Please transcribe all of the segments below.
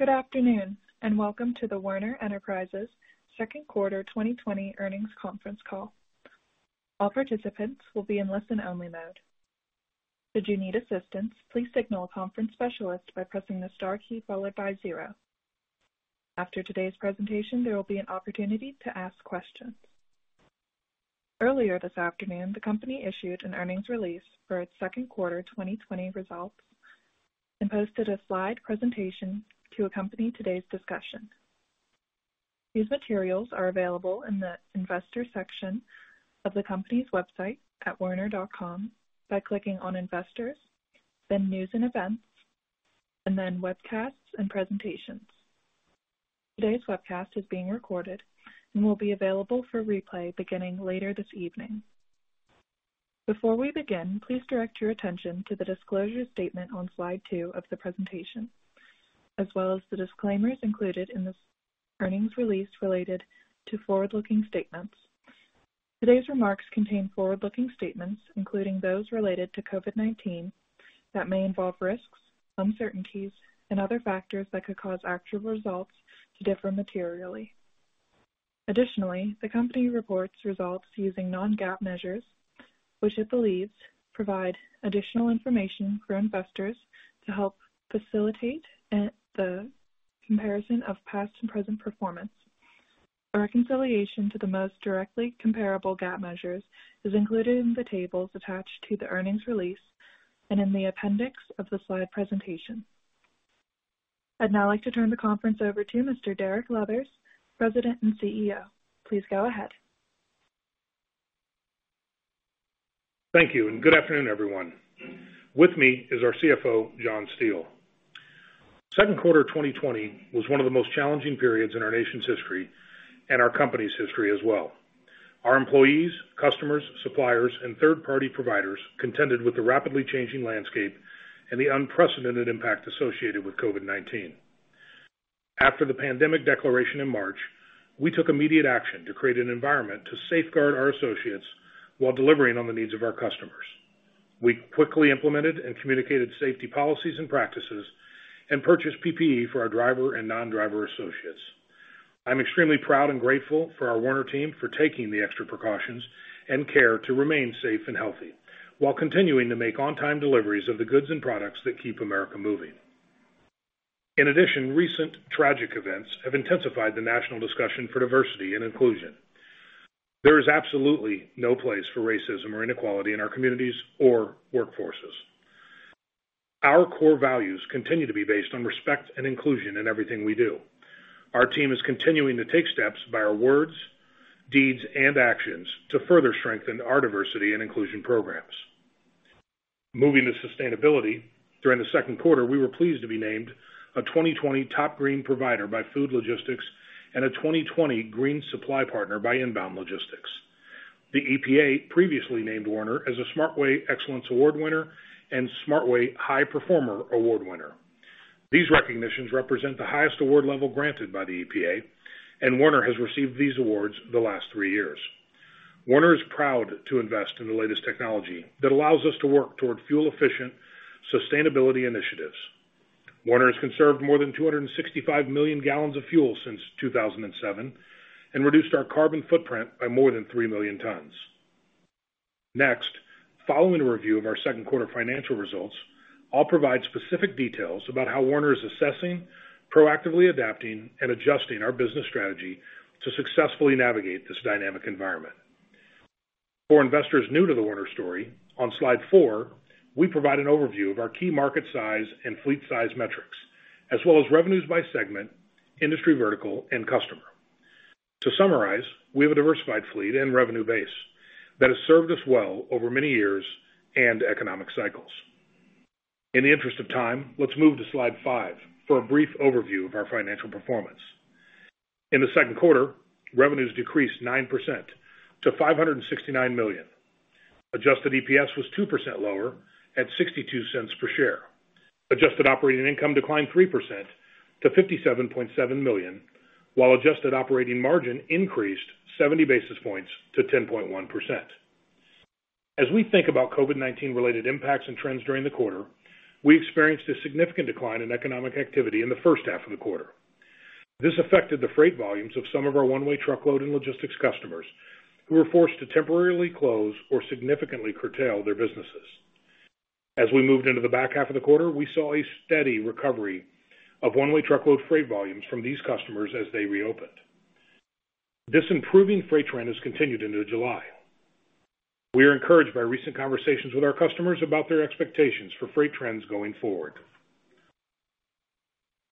Good afternoon, welcome to the Werner Enterprises second quarter 2020 earnings conference call. All participants will be in listen-only mode. Should you need assistance, please signal a conference specialist by pressing the star key followed by zero. After today's presentation, there will be an opportunity to ask questions. Earlier this afternoon, the company issued an earnings release for its second quarter 2020 results and posted a slide presentation to accompany today's discussion. These materials are available in the Investors section of the company's website at werner.com by clicking on Investors, then News and Events, and then Webcasts and Presentations. Today's webcast is being recorded and will be available for replay beginning later this evening. Before we begin, please direct your attention to the disclosure statement on slide two of the presentation, as well as the disclaimers included in this earnings release related to forward-looking statements. Today's remarks contain forward-looking statements, including those related to COVID-19, that may involve risks, uncertainties, and other factors that could cause actual results to differ materially. Additionally, the company reports results using non-GAAP measures, which it believes provide additional information for investors to help facilitate the comparison of past and present performance. A reconciliation to the most directly comparable GAAP measures is included in the tables attached to the earnings release and in the appendix of the slide presentation. I'd now like to turn the conference over to Mr. Derek Leathers, President and CEO. Please go ahead. Thank you, and good afternoon, everyone. With me is our CFO, John Steele. Second quarter 2020 was one of the most challenging periods in our nation's history and our company's history as well. Our employees, customers, suppliers, and third-party providers contended with the rapidly changing landscape and the unprecedented impact associated with COVID-19. After the pandemic declaration in March, we took immediate action to create an environment to safeguard our associates while delivering on the needs of our customers. We quickly implemented and communicated safety policies and practices and purchased PPE for our driver and non-driver associates. I'm extremely proud and grateful for our Werner team for taking the extra precautions and care to remain safe and healthy while continuing to make on-time deliveries of the goods and products that keep America moving. In addition, recent tragic events have intensified the national discussion for diversity and inclusion. There is absolutely no place for racism or inequality in our communities or workforces. Our core values continue to be based on respect and inclusion in everything we do. Our team is continuing to take steps by our words, deeds, and actions to further strengthen our diversity and inclusion programs. Moving to sustainability, during the second quarter, we were pleased to be named a 2020 Top Green Provider by Food Logistics and a 2020 Green Supply Partner by Inbound Logistics. The EPA previously named Werner as a SmartWay Excellence Award winner and SmartWay High Performer Award winner. These recognitions represent the highest award level granted by the EPA, and Werner has received these awards the last three years. Werner is proud to invest in the latest technology that allows us to work toward fuel-efficient sustainability initiatives. Werner has conserved more than 265 million gallons of fuel since 2007 and reduced our carbon footprint by more than 3 million tons. Following a review of our second quarter financial results, I'll provide specific details about how Werner is assessing, proactively adapting, and adjusting our business strategy to successfully navigate this dynamic environment. For investors new to the Werner story, on slide four, we provide an overview of our key market size and fleet size metrics, as well as revenues by segment, industry vertical, and customer. To summarize, we have a diversified fleet and revenue base that has served us well over many years and economic cycles. In the interest of time, let's move to slide five for a brief overview of our financial performance. In the second quarter, revenues decreased 9% to $569 million. Adjusted EPS was 2% lower at $0.62 per share. Adjusted operating income declined 3% to $57.7 million, while adjusted operating margin increased 70 basis points to 10.1%. As we think about COVID-19-related impacts and trends during the quarter, we experienced a significant decline in economic activity in the first half of the quarter. This affected the freight volumes of some of our one-way truckload and logistics customers who were forced to temporarily close or significantly curtail their businesses. As we moved into the back half of the quarter, we saw a steady recovery of one-way truckload freight volumes from these customers as they reopened. This improving freight trend has continued into July. We are encouraged by recent conversations with our customers about their expectations for freight trends going forward.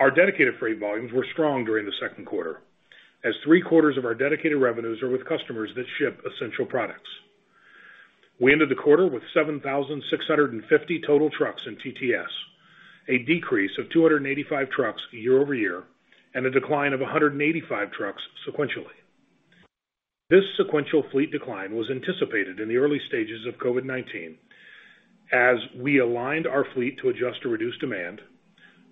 Our dedicated freight volumes were strong during the second quarter, as three-quarters of our dedicated revenues are with customers that ship essential products. We ended the quarter with 7,650 total trucks in TTS, a decrease of 285 trucks year-over-year and a decline of 185 trucks sequentially. This sequential fleet decline was anticipated in the early stages of COVID-19. As we aligned our fleet to adjust to reduced demand,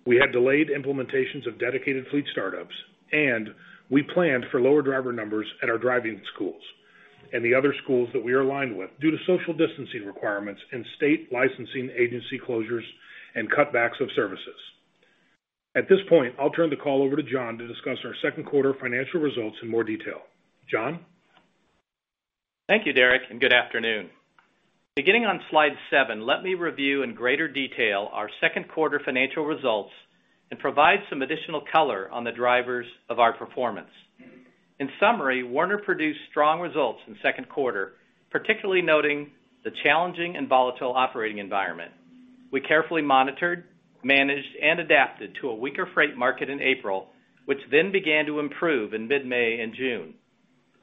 we had delayed implementations of dedicated fleet startups, and we planned for lower driver numbers at our driving schools. The other schools that we are aligned with due to social distancing requirements and state licensing agency closures and cutbacks of services. At this point, I'll turn the call over to John to discuss our second quarter financial results in more detail. John? Thank you, Derek, and good afternoon. Beginning on slide seven, let me review in greater detail our second quarter financial results and provide some additional color on the drivers of our performance. In summary, Werner produced strong results in the second quarter, particularly noting the challenging and volatile operating environment. We carefully monitored, managed, and adapted to a weaker freight market in April, which then began to improve in mid-May and June.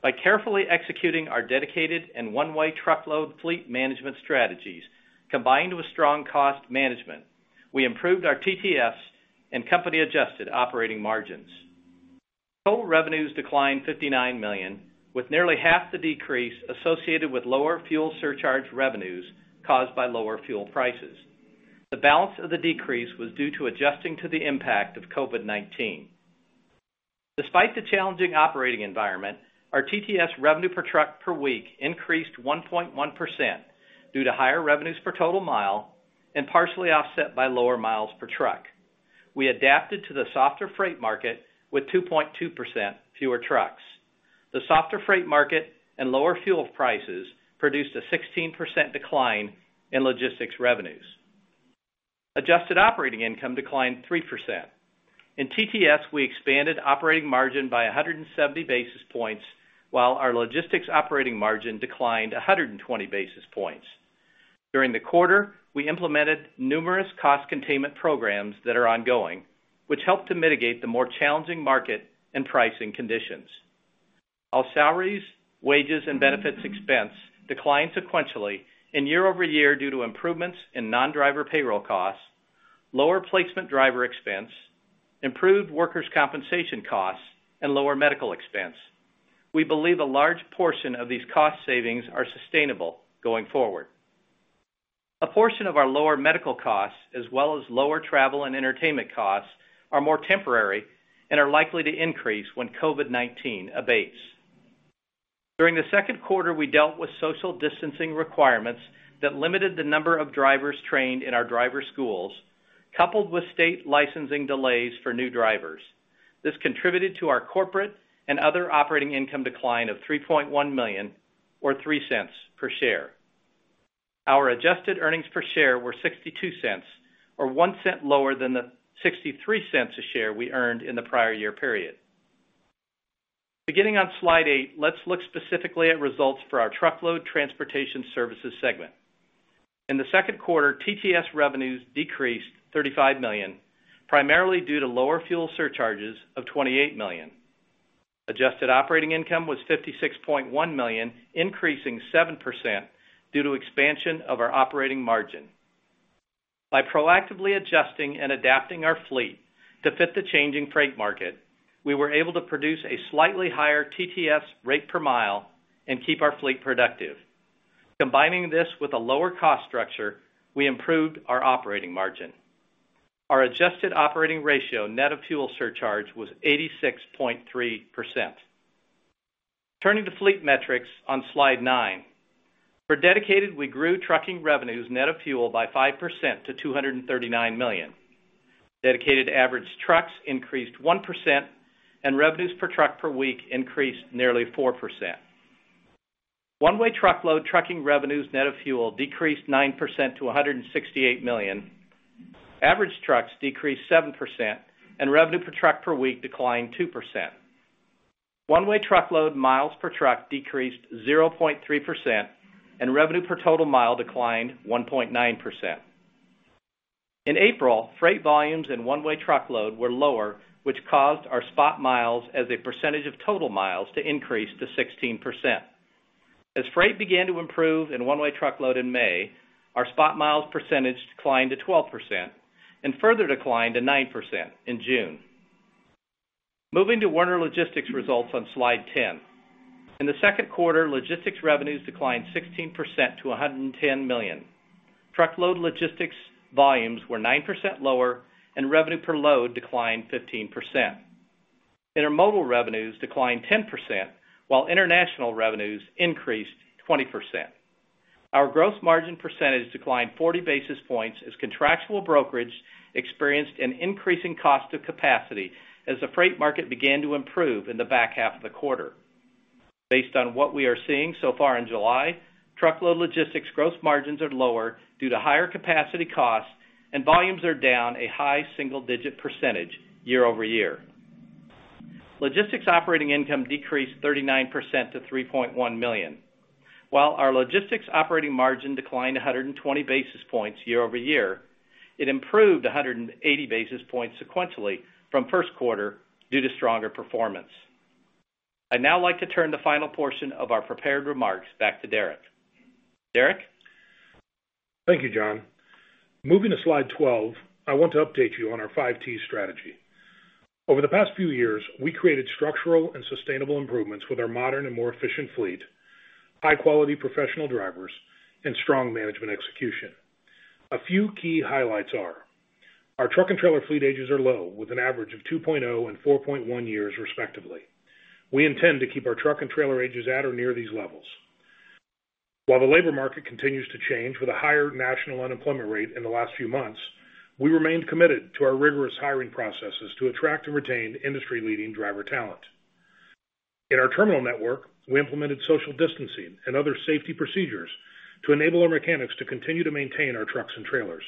By carefully executing our dedicated and one-way truckload fleet management strategies, combined with strong cost management, we improved our TTS and company-adjusted operating margins. Total revenues declined $59 million, with nearly half the decrease associated with lower fuel surcharge revenues caused by lower fuel prices. The balance of the decrease was due to adjusting to the impact of COVID-19. Despite the challenging operating environment, our TTS revenue per truck per week increased 1.1% due to higher revenues per total mile and partially offset by lower miles per truck. We adapted to the softer freight market with 2.2% fewer trucks. The softer freight market and lower fuel prices produced a 16% decline in Logistics revenues. Adjusted operating income declined 3%. In TTS, we expanded operating margin by 170 basis points, while our Logistics operating margin declined 120 basis points. During the quarter, we implemented numerous cost containment programs that are ongoing, which helped to mitigate the more challenging market and pricing conditions. Our salaries, wages, and benefits expense declined sequentially in year-over-year due to improvements in non-driver payroll costs, lower placement driver expense, improved workers' compensation costs, and lower medical expense. We believe a large portion of these cost savings are sustainable going forward. A portion of our lower medical costs, as well as lower travel and entertainment costs, are more temporary and are likely to increase when COVID-19 abates. During the second quarter, we dealt with social distancing requirements that limited the number of drivers trained in our driver schools, coupled with state licensing delays for new drivers. This contributed to our corporate and other operating income decline of $3.1 million, or $0.03 per share. Our adjusted earnings per share were $0.62, or $0.01 lower than the $0.63 a share we earned in the prior year period. Beginning on slide eight, let's look specifically at results for our Truckload Transportation Services segment. In the second quarter, TTS revenues decreased $35 million, primarily due to lower fuel surcharges of $28 million. Adjusted operating income was $56.1 million, increasing 7% due to expansion of our operating margin. By proactively adjusting and adapting our fleet to fit the changing freight market, we were able to produce a slightly higher TTS rate per mile and keep our fleet productive. Combining this with a lower cost structure, we improved our operating margin. Our adjusted operating ratio net of fuel surcharge was 86.3%. Turning to fleet metrics on slide nine. For dedicated, we grew trucking revenues net of fuel by 5% to $239 million. Dedicated average trucks increased 1%, and revenues per truck per week increased nearly 4%. One-way truckload trucking revenues net of fuel decreased 9% to $168 million. Average trucks decreased 7%, and revenue per truck per week declined 2%. One-way truckload miles per truck decreased 0.3%, and revenue per total mile declined 1.9%. In April, freight volumes in one-way truckload were lower, which caused our spot miles as a percentage of total miles to increase to 16%. As freight began to improve in one-way truckload in May, our spot miles percentage declined to 12% and further declined to 9% in June. Moving to Werner Logistics results on slide 10. In the second quarter, Logistics revenues declined 16% to $110 million. Truckload logistics volumes were 9% lower, and revenue per load declined 15%. Intermodal revenues declined 10%, while international revenues increased 20%. Our gross margin percentage declined 40 basis points as contractual brokerage experienced an increase in cost of capacity as the freight market began to improve in the back half of the quarter. Based on what we are seeing so far in July, truckload logistics gross margins are lower due to higher capacity costs, and volumes are down a high single-digit percentage year-over-year. Logistics operating income decreased 39% to $3.1 million, while our Logistics operating margin declined 120 basis points year-over-year. It improved 180 basis points sequentially from first quarter due to stronger performance. I'd now like to turn the final portion of our prepared remarks back to Derek. Derek? Thank you, John. Moving to slide 12, I want to update you on our Five T's strategy. Over the past few years, we created structural and sustainable improvements with our modern and more efficient fleet, high-quality professional drivers, and strong management execution. A few key highlights are. Our truck and trailer fleet ages are low with an average of 2.0 and 4.1 years, respectively. We intend to keep our truck and trailer ages at or near these levels. While the labor market continues to change with a higher national unemployment rate in the last few months, we remained committed to our rigorous hiring processes to attract and retain industry-leading driver talent. In our terminal network, we implemented social distancing and other safety procedures to enable our mechanics to continue to maintain our trucks and trailers.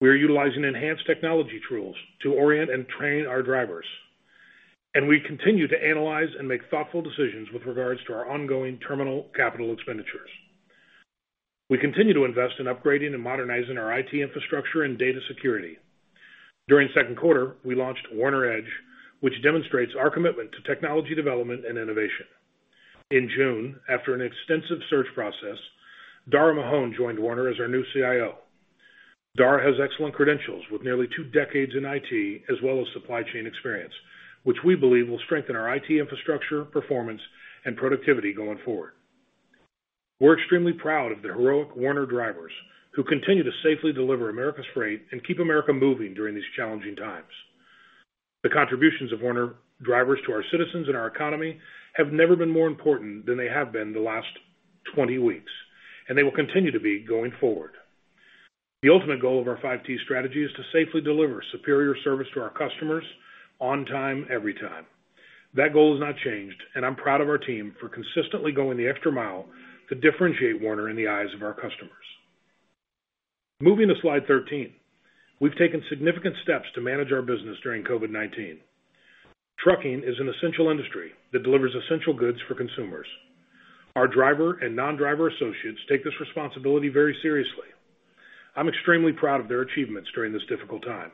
We are utilizing enhanced technology tools to orient and train our drivers. We continue to analyze and make thoughtful decisions with regard to our ongoing terminal capital expenditures. We continue to invest in upgrading and modernizing our IT infrastructure and data security. During the second quarter, we launched Werner EDGE, which demonstrates our commitment to technology development and innovation. In June, after an extensive search process, Daragh Mahon joined Werner as our new CIO. Daragh has excellent credentials with nearly two decades in IT as well as supply chain experience, which we believe will strengthen our IT infrastructure, performance, and productivity going forward. We're extremely proud of the heroic Werner drivers who continue to safely deliver America's freight and keep America moving during these challenging times. The contributions of Werner drivers to our citizens and our economy have never been more important than they have been the last 20 weeks. They will continue to be going forward. The ultimate goal of our Five T's strategy is to safely deliver superior service to our customers on time, every time. That goal has not changed, and I'm proud of our team for consistently going the extra mile to differentiate Werner in the eyes of our customers. Moving to slide 13. We've taken significant steps to manage our business during COVID-19. Trucking is an essential industry that delivers essential goods for consumers. Our driver and non-driver associates take this responsibility very seriously. I'm extremely proud of their achievements during this difficult time.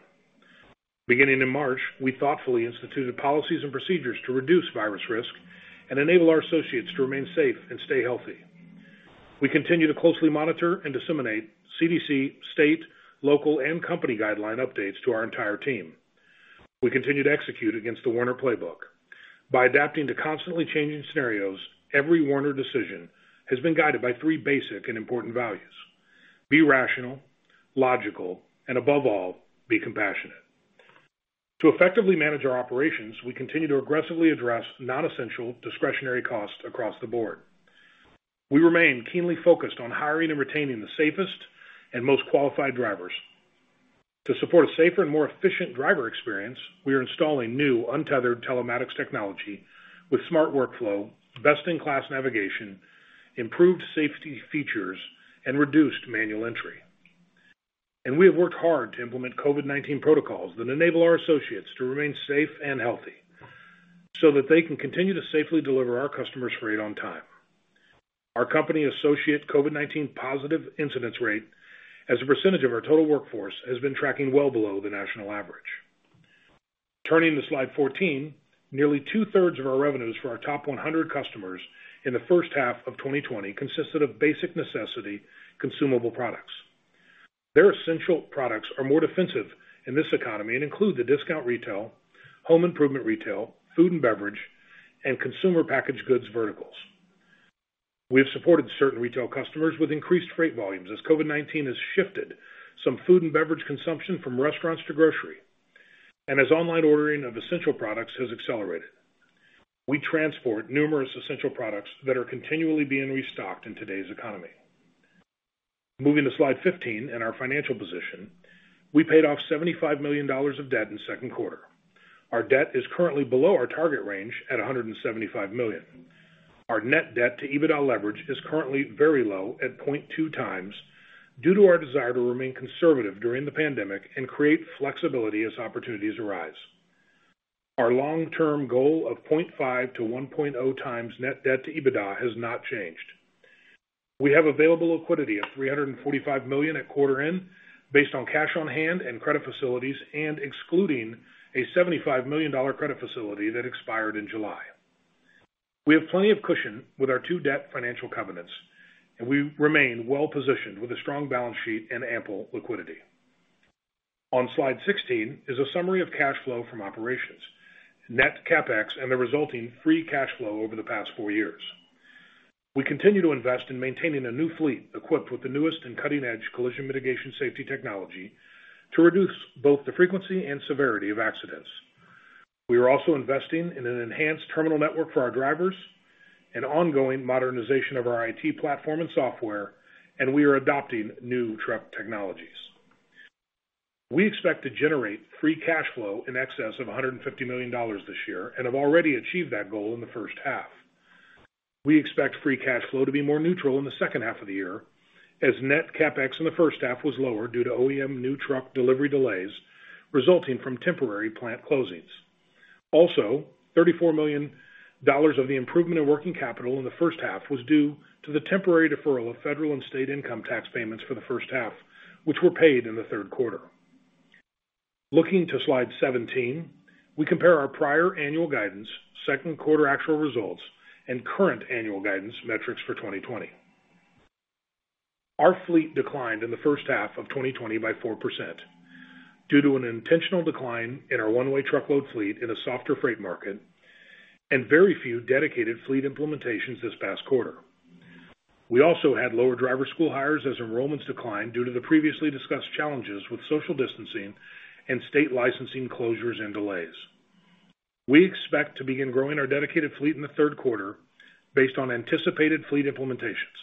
Beginning in March, we thoughtfully instituted policies and procedures to reduce virus risk and enable our associates to remain safe and stay healthy. We continue to closely monitor and disseminate CDC, state, local, and company guideline updates to our entire team. We continue to execute against the Werner playbook. By adapting to constantly changing scenarios, every Werner decision has been guided by three basic and important values. Be rational, logical, and above all, be compassionate. To effectively manage our operations, we continue to aggressively address non-essential discretionary costs across the board. We remain keenly focused on hiring and retaining the safest and most qualified drivers. To support a safer and more efficient driver experience, we are installing new untethered telematics technology with smart workflow, best-in-class navigation, improved safety features, and reduced manual entry. We have worked hard to implement COVID-19 protocols that enable our associates to remain safe and healthy so that they can continue to safely deliver our customers' freight on time. Our company's associate COVID-19 positive incidence rate as a percentage of our total workforce has been tracking well below the national average. Turning to slide 14, nearly two-thirds of our revenues for our top 100 customers in the first half of 2020 consisted of basic necessity consumable products. Their essential products are more defensive in this economy and include the discount retail, home improvement retail, food and beverage, and consumer packaged goods verticals. We have supported certain retail customers with increased freight volumes as COVID-19 has shifted some food and beverage consumption from restaurants to grocery, and as online ordering of essential products has accelerated. We transport numerous essential products that are continually being restocked in today's economy. Moving to slide 15 and our financial position. We paid off $75 million of debt in the second quarter. Our debt is currently below our target range at $175 million. Our net debt to EBITDA leverage is currently very low at 0.2x due to our desire to remain conservative during the pandemic and create flexibility as opportunities arise. Our long-term goal of 0.5x-1.0x net debt to EBITDA has not changed. We have available liquidity of $345 million at quarter end based on cash on hand and credit facilities and excluding a $75 million credit facility that expired in July. We have plenty of cushion with our two debt financial covenants, and we remain well-positioned with a strong balance sheet and ample liquidity. On slide 16 is a summary of cash flow from operations, net CapEx, and the resulting free cash flow over the past four years. We continue to invest in maintaining a new fleet equipped with the newest and cutting-edge collision mitigation safety technology to reduce both the frequency and severity of accidents. We are also investing in an enhanced terminal network for our drivers and ongoing modernization of our IT platform and software. We are adopting new truck technologies. We expect to generate free cash flow in excess of $150 million this year and have already achieved that goal in the first half. We expect free cash flow to be more neutral in the second half of the year as net CapEx in the first half was lower due to OEM new truck delivery delays resulting from temporary plant closings. $34 million of the improvement in working capital in the first half was due to the temporary deferral of federal and state income tax payments for the first half, which were paid in the third quarter. Looking to slide 17, we compare our prior annual guidance, second quarter actual results, and current annual guidance metrics for 2020. Our fleet declined in the first half of 2020 by 4% due to an intentional decline in our one-way truckload fleet in a softer freight market and very few dedicated fleet implementations this past quarter. We also had lower driver school hires as enrollments declined due to the previously discussed challenges with social distancing and state licensing closures and delays. We expect to begin growing our dedicated fleet in the third quarter based on anticipated fleet implementations.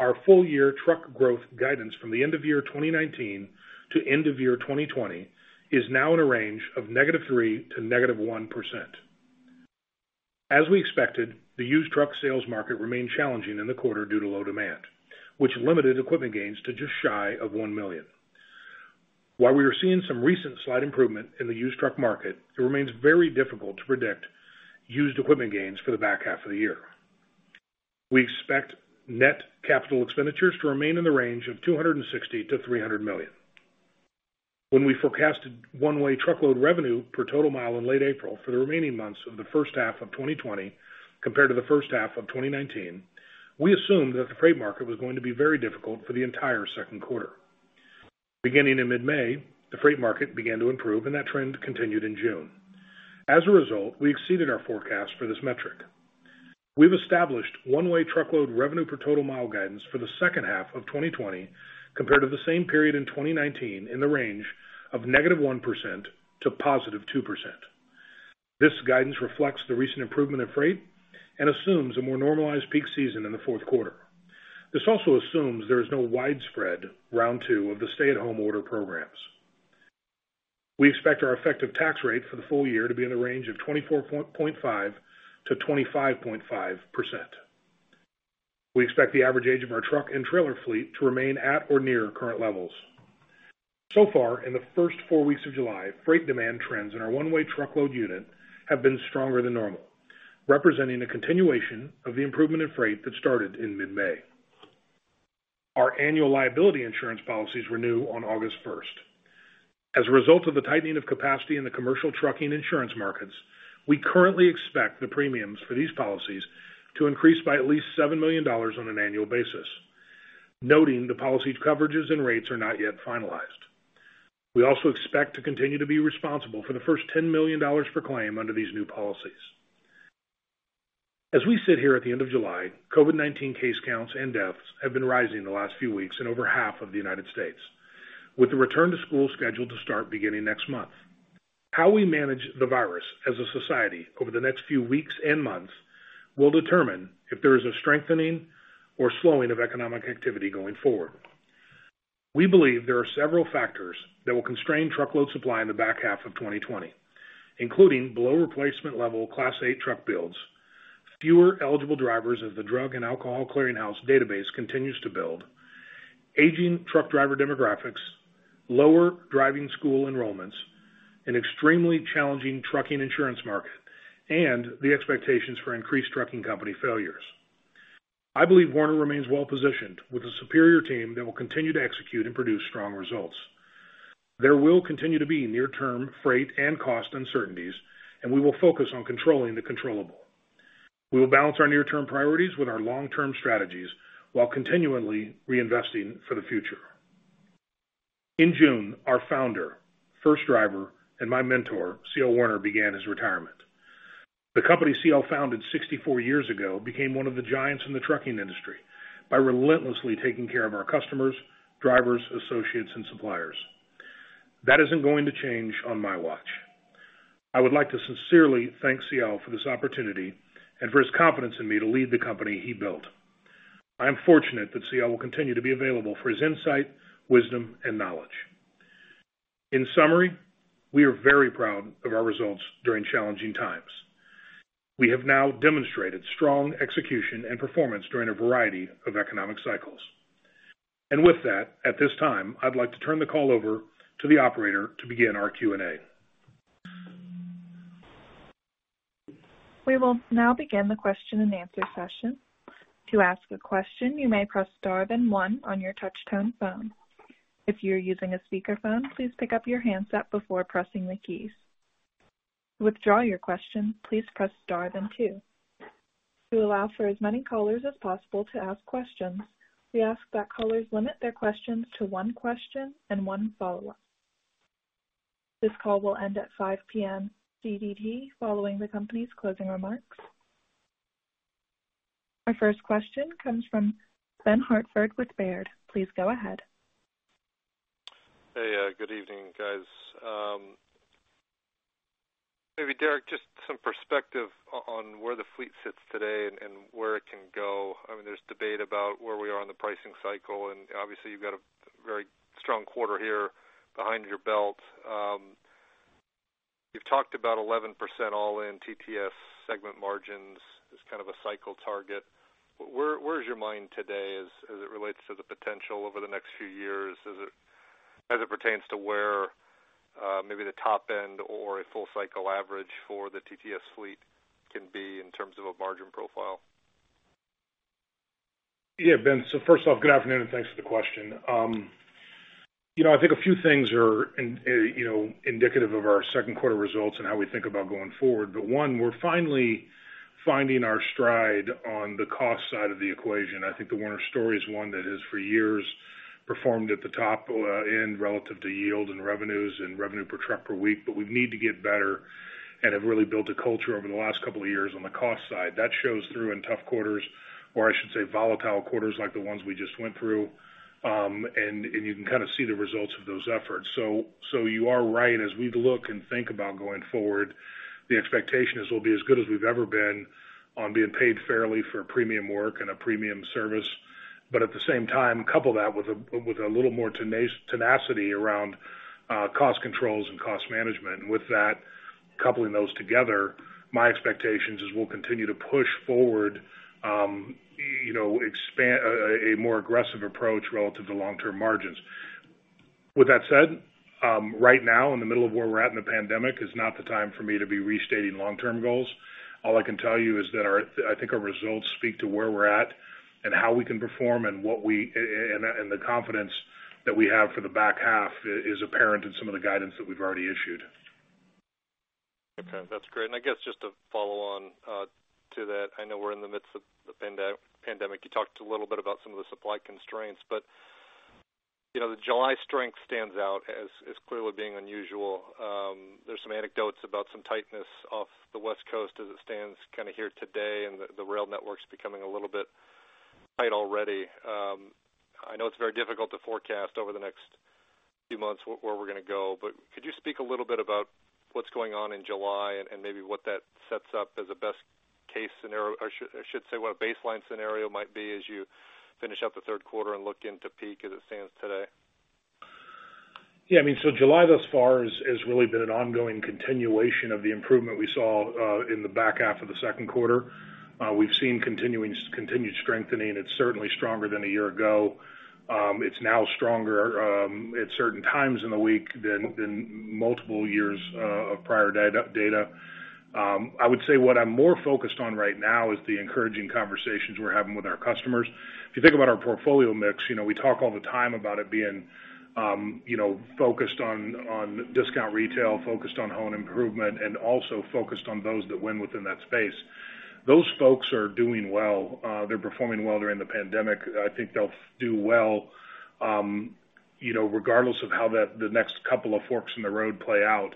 Our full year truck growth guidance from the end of year 2019 to end of year 2020 is now in a range of -3% to -1%. As we expected, the used truck sales market remained challenging in the quarter due to low demand, which limited equipment gains to just shy of $1 million. While we are seeing some recent slight improvement in the used truck market, it remains very difficult to predict used equipment gains for the back half of the year. We expect net capital expenditures to remain in the range of $260 million-$300 million. When we forecasted one-way truckload revenue per total mile in late April for the remaining months of the first half of 2020 compared to the first half of 2019, we assumed that the freight market was going to be very difficult for the entire second quarter. Beginning in mid-May, the freight market began to improve, and that trend continued in June. As a result, we exceeded our forecast for this metric. We've established one-way truckload revenue per total mile guidance for the second half of 2020 compared to the same period in 2019 in the range of -1% to +2%. This guidance reflects the recent improvement in freight and assumes a more normalized peak season in the fourth quarter. This also assumes there is no widespread round two of the stay-at-home order programs. We expect our effective tax rate for the full year to be in the range of 24.5%-25.5%. We expect the average age of our truck and trailer fleet to remain at or near current levels. So far, in the first four weeks of July, freight demand trends in our one-way truckload units have been stronger than normal, representing a continuation of the improvement in freight that started in mid-May. Our annual liability insurance policies renew on August 1st. As a result of the tightening of capacity in the commercial trucking insurance markets, we currently expect the premiums for these policies to increase by at least $7 million on an annual basis, noting the policy coverages and rates are not yet finalized. We also expect to continue to be responsible for the first $10 million per claim under these new policies. As we sit here at the end of July, COVID-19 case counts and deaths have been rising the last few weeks in over half of the United States with the return to school scheduled to start beginning next month. How we manage the virus as a society over the next few weeks and months will determine if there is a strengthening or slowing of economic activity going forward. We believe there are several factors that will constrain truckload supply in the back half of 2020, including below replacement-level Class 8 truck builds, fewer eligible drivers as the Drug and Alcohol Clearinghouse database continues to build, aging truck driver demographics, lower driving school enrollments, an extremely challenging trucking insurance market, and the expectations for increased trucking company failures. I believe Werner remains well-positioned with a superior team that will continue to execute and produce strong results. There will continue to be near-term freight and cost uncertainties, and we will focus on controlling the controllable. We will balance our near-term priorities with our long-term strategies while continually reinvesting for the future. In June, our Founder, first driver, and my mentor, CL Werner, began his retirement. The company CL founded 64 years ago became one of the giants in the trucking industry by relentlessly taking care of our customers, drivers, associates, and suppliers. That isn't going to change on my watch. I would like to sincerely thank CL for this opportunity and for his confidence in me to lead the company he built. I am fortunate that CL will continue to be available for his insight, wisdom, and knowledge. In summary, we are very proud of our results during challenging times. We have now demonstrated strong execution and performance during a variety of economic cycles. With that, at this time, I'd like to turn the call over to the operator to begin our Q&A. We will now begin the question-and-answer session. To ask a question, you may press star, then one on your touch-tone phone. If you're using a speakerphone, please pick up your handset before pressing the keys. To withdraw your question, please press star, then two. To allow for as many callers as possible to ask questions, we ask that callers limit their questions to one question and one follow-up. This call will end at 5:00 P.M. CDT following the company's closing remarks. Our first question comes from Ben Hartford with Baird. Please go ahead. Hey, good evening, guys. Maybe, Derek, just some perspective on where the fleet sits today and where it can go. There's debate about where we are on the pricing cycle, and obviously, you've got a very strong quarter here behind your belt. You've talked about 11% all-in TTS segment margins as kind of a cycle target. Where is your mind today as it relates to the potential over the next few years as it pertains to where maybe the top end or a full cycle average for the TTS fleet can be in terms of a margin profile? Yeah, Ben. First off, good afternoon, and thanks for the question. I think a few things are indicative of our second quarter results and how we think about going forward. One, we're finally finding our stride on the cost side of the equation. I think the Werner story is one that has, for years, performed at the top end relative to yield and revenues and revenue per truck per week, but we need to get better and have really built a culture over the last couple of years on the cost side. That shows through in tough quarters, or I should say volatile quarters like the ones we just went through. You can kind of see the results of those efforts. You are right, as we look and think about going forward, the expectation is we'll be as good as we've ever been on being paid fairly for premium work and a premium service. At the same time, couple that with a little more tenacity around cost controls and cost management. With that, coupling those together, my expectation is we'll continue to push forward a more aggressive approach relative to long-term margins. With that said, right now, in the middle of where we're at in the pandemic is not the time for me to be restating long-term goals. All I can tell you is that I think our results speak to where we're at and how we can perform, and the confidence that we have for the back half is apparent in some of the guidance that we've already issued. Okay. That's great. I guess just to follow on to that, I know we're in the midst of the pandemic. You talked a little bit about some of the supply constraints, the July strength stands out as clearly being unusual. There's some anecdotes about some tightness off the West Coast as it stands here today, the rail networks becoming a little bit tight already. I know it's very difficult to forecast over the next few months where we're going to go. Could you speak a little bit about what's going on in July and maybe what that sets up as a best-case scenario, or I should say, what a baseline scenario might be as you finish up the third quarter and look into peak as it stands today? Yeah. July thus far has really been an ongoing continuation of the improvement we saw in the back half of the second quarter. We've seen continued strengthening. It's certainly stronger than a year ago. It's now stronger at certain times in the week than multiple years of prior data. I would say what I'm more focused on right now is the encouraging conversations we're having with our customers. If you think about our portfolio mix, we talk all the time about it being focused on discount retail, focused on home improvement, and also focused on those that win within that space. Those folks are doing well. They're performing well during the pandemic. I think they'll do well regardless of how the next couple of forks in the road play out.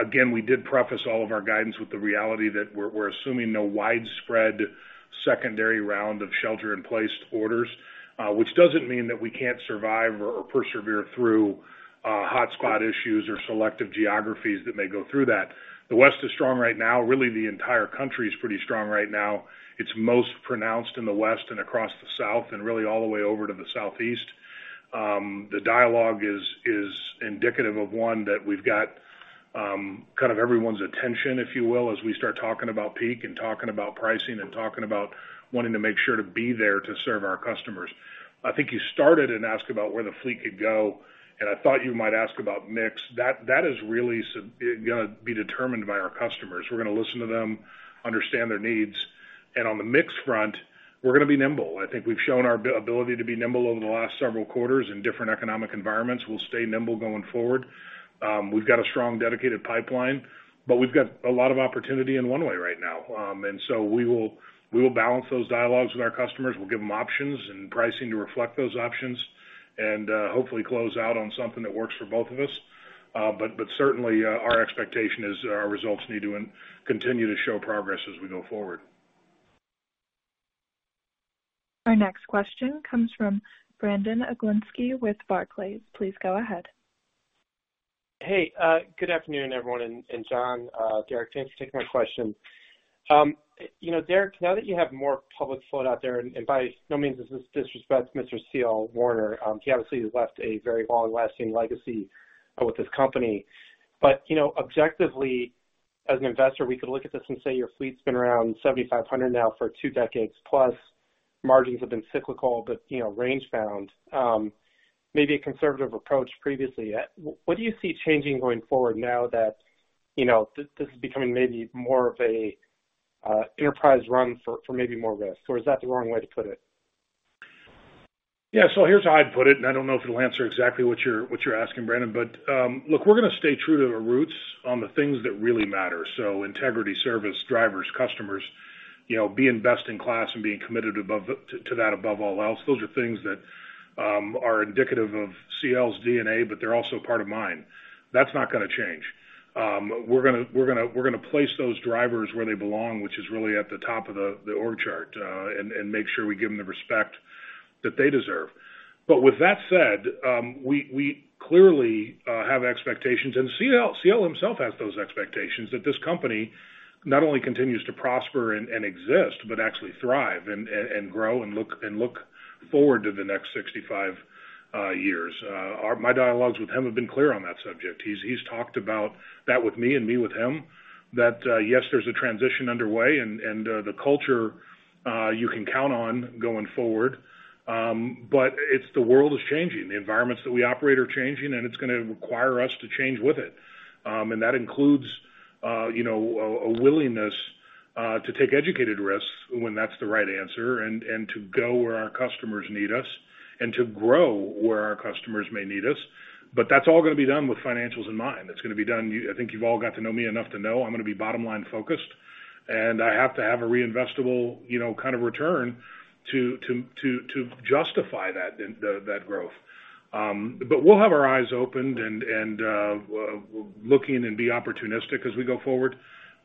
Again, we did preface all of our guidance with the reality that we're assuming no widespread secondary round of shelter-in-place orders, which doesn't mean that we can't survive or persevere through hotspot issues or selective geographies that may go through that. The West is strong right now. Really, the entire country is pretty strong right now. It's most pronounced in the West and across the South, and really all the way over to the Southeast. The dialogue is indicative of one that we've got everyone's attention, if you will, as we start talking about peak and talking about pricing and talking about wanting to make sure to be there to serve our customers. I think you started and asked about where the fleet could go, and I thought you might ask about the mix. That is really going to be determined by our customers. We're going to listen to them and understand their needs. On the mix front, we're going to be nimble. I think we've shown our ability to be nimble over the last several quarters in different economic environments. We'll stay nimble going forward. We've got a strong, dedicated pipeline, but we've got a lot of opportunity in one way right now. We will balance those dialogues with our customers. We'll give them options and pricing to reflect those options, and hopefully close out on something that works for both of us. Certainly, our expectation is our results need to continue to show progress as we go forward. Our next question comes from Brandon Oglenski with Barclays. Please go ahead. Hey, good afternoon, everyone, John, Derek. Thanks for taking my question. Derek, now that you have more public float out there, and by no means is this disrespect to Mr. CL Werner. He obviously has left a very long-lasting legacy with this company. But objectively, as an investor, we could look at this and say your fleet's been around 7,500 now for two decades plus. Margins have been cyclical but range-bound. Maybe a conservative approach previously. What do you see changing going forward now that this is becoming maybe more of an enterprise run for maybe more risk? Or is that the wrong way to put it? Yeah. Here's how I'd put it, and I don't know if it'll answer exactly what you're asking, Brandon. Look, we're going to stay true to our roots on the things that really matter. Integrity, service, drivers, customers, being best in class, and being committed to that above all else. Those are things that are indicative of CL's DNA, but they're also part of mine. That's not going to change. We're going to place those drivers where they belong, which is really at the top of the org chart, and make sure we give them the respect that they deserve. With that said, we clearly have expectations, and CL himself has those expectations that this company not only continues to prosper and exist but actually thrives and grows and looks forward to the next 65 years. My dialogues with him have been clear on that subject. He's talked about that with me and me with him, that yes, there's a transition underway, and the culture you can count on going forward. The world is changing. The environments that we operate are changing, and it's going to require us to change with it. That includes a willingness to take educated risks when that's the right answer and to go where our customers need us and to grow where our customers may need us. That's all going to be done with financials in mind. It's going to be done; I think you've all got to know me enough to know I'm going to be bottom line focused. And I have to have a reinvestable return to justify that growth. We'll have our eyes opened and we're looking and be opportunistic as we go forward.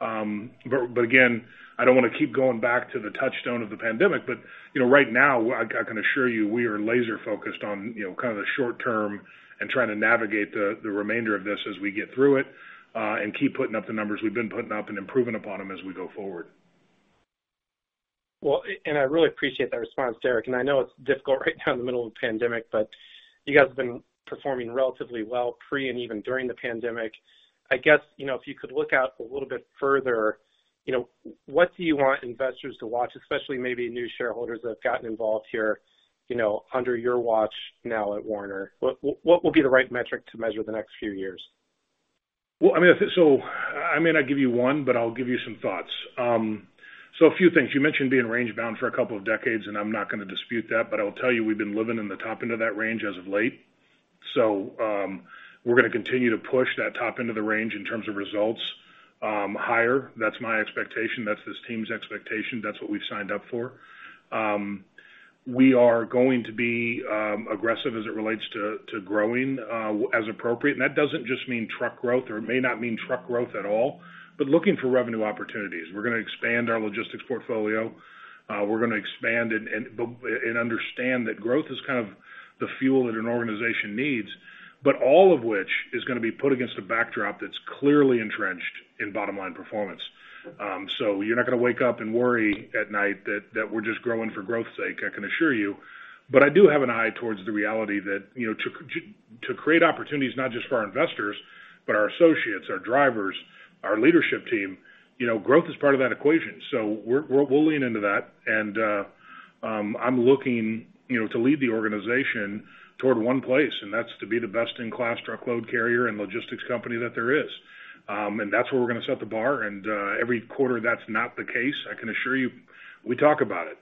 Again, I don't want to keep going back to the touchstone of the pandemic, but right now, I can assure you, we are laser-focused on the short term and trying to navigate the remainder of this as we get through it, and keep putting up the numbers we've been putting up and improving upon them as we go forward. Well, I really appreciate that response, Derek, and I know it's difficult right now in the middle of the pandemic, but you guys have been performing relatively well pre and even during the pandemic. I guess, if you could look out a little bit further, what do you want investors to watch? Especially, maybe new shareholders that have gotten involved here under your watch now at Werner. What will be the right metric to measure the next few years? I may not give you one, but I'll give you some thoughts. A few things. You mentioned being range-bound for a couple of decades, and I'm not going to dispute that, but I will tell you we've been living in the top end of that range as of late. We're going to continue to push that top end of the range in terms of results, higher. That's my expectation. That's this team's expectation. That's what we've signed up for. We are going to be aggressive as it relates to growing, as appropriate, and that doesn't just mean truck growth or it may not mean truck growth at all, but looking for revenue opportunities. We're going to expand our Logistics portfolio. We're going to expand and understand that growth is the fuel that an organization needs, but all of which is going to be put against a backdrop that's clearly entrenched in bottom-line performance. You're not going to wake up and worry at night that we're just growing for growth's sake, I can assure you. I do have an eye towards the reality that to create opportunities not just for our investors, but our associates, our drivers, our leadership team, growth is part of that equation. We'll lean into that, and I'm looking to lead the organization toward one place, and that's to be the best-in-class truckload carrier and logistics company that there is. That's where we're going to set the bar, and every quarter that's not the case, I can assure you, we talk about it.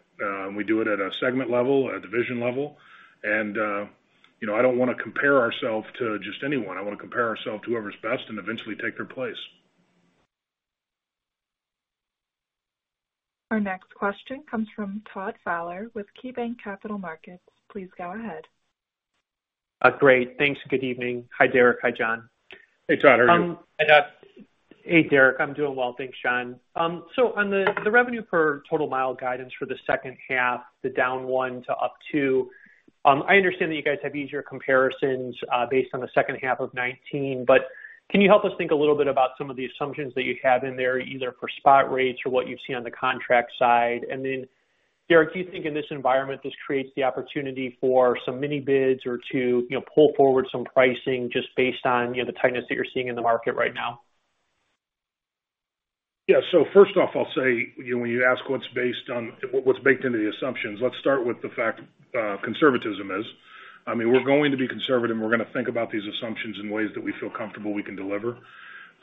We do it at a segment level, a division level. I don't want to compare ourselves to just anyone. I want to compare ourselves to whoever's best and eventually take their place. Our next question comes from Todd Fowler with KeyBanc Capital Markets. Please go ahead. Great. Thanks. Good evening. Hi, Derek. Hi, John. Hey, Todd. How are you? Hey, Derek. I'm doing well. Thanks, John. On the revenue per total mile guidance for the second half, the -1% to +2%, I understand that you guys have easier comparisons based on the second half of 2019, but can you help us think a little bit about some of the assumptions that you have in there, either for spot rates or what you've seen on the contract side? Derek, do you think in this environment, this creates the opportunity for some mini bids or to pull forward some pricing just based on the tightness that you're seeing in the market right now? Yeah. First off, I'll say, when you ask what's baked into the assumptions, let's start with the fact that conservatism is. We're going to be conservative, and we're going to think about these assumptions in ways that we feel comfortable we can deliver.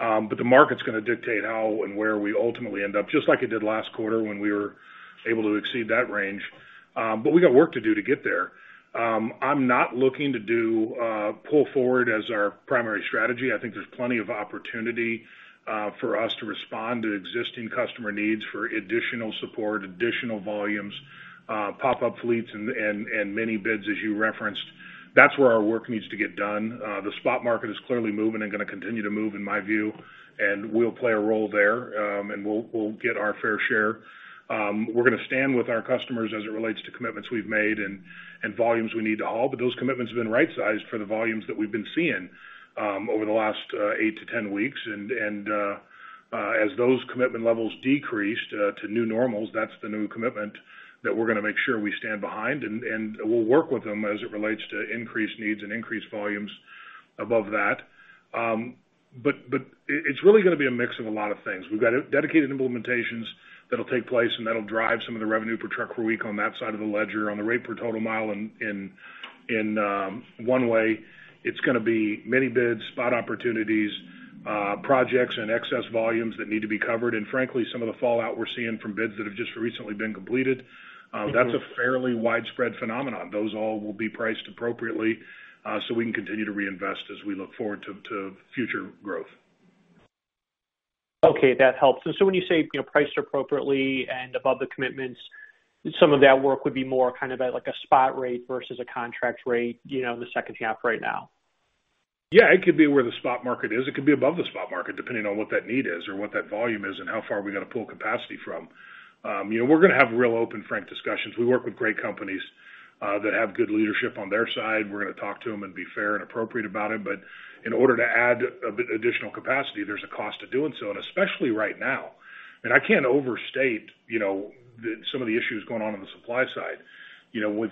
The market's going to dictate how and where we ultimately end up, just like it did last quarter when we were able to exceed that range. We've got work to do to get there. I'm not looking to do pull forward as our primary strategy. I think there's plenty of opportunity for us to respond to existing customer needs for additional support, additional volumes, pop-up fleets, and mini bids, as you referenced. That's where our work needs to get done. The spot market is clearly moving and going to continue to move, in my view, and we'll play a role there, and we'll get our fair share. We're going to stand with our customers as it relates to commitments we've made and volumes we need to haul, but those commitments have been right sized for the volumes that we've been seeing over the last 8 to 10 weeks. As those commitment levels decrease to new normals, that's the new commitment that we're going to make sure we stand behind, and we'll work with them as it relates to increased needs and increased volumes above that. It's really going to be a mix of a lot of things. We've got dedicated implementations that'll take place, and that'll drive some of the revenue per truck per week on that side of the ledger. On the rate per total mile in one way, it's going to be mini bids, spot opportunities, projects, and excess volumes that need to be covered. Frankly, some of the fallout we're seeing from bids that have just recently been completed. That's a fairly widespread phenomenon. Those all will be priced appropriately, so we can continue to reinvest as we look forward to future growth. Okay. That helps. When you say priced appropriately and above the commitments, some of that work would be more kind of at like a spot rate versus a contract rate, in the second half right now? Yeah. It could be where the spot market is. It could be above the spot market, depending on what that need is or what that volume is and how far we got to pull capacity from. We're going to have real open, frank discussions. We work with great companies that have good leadership on their side. We're going to talk to them and be fair and appropriate about it. But in order to add additional capacity, there's a cost to doing so, and especially right now. And I can't overstate some of the issues going on in the supply side. When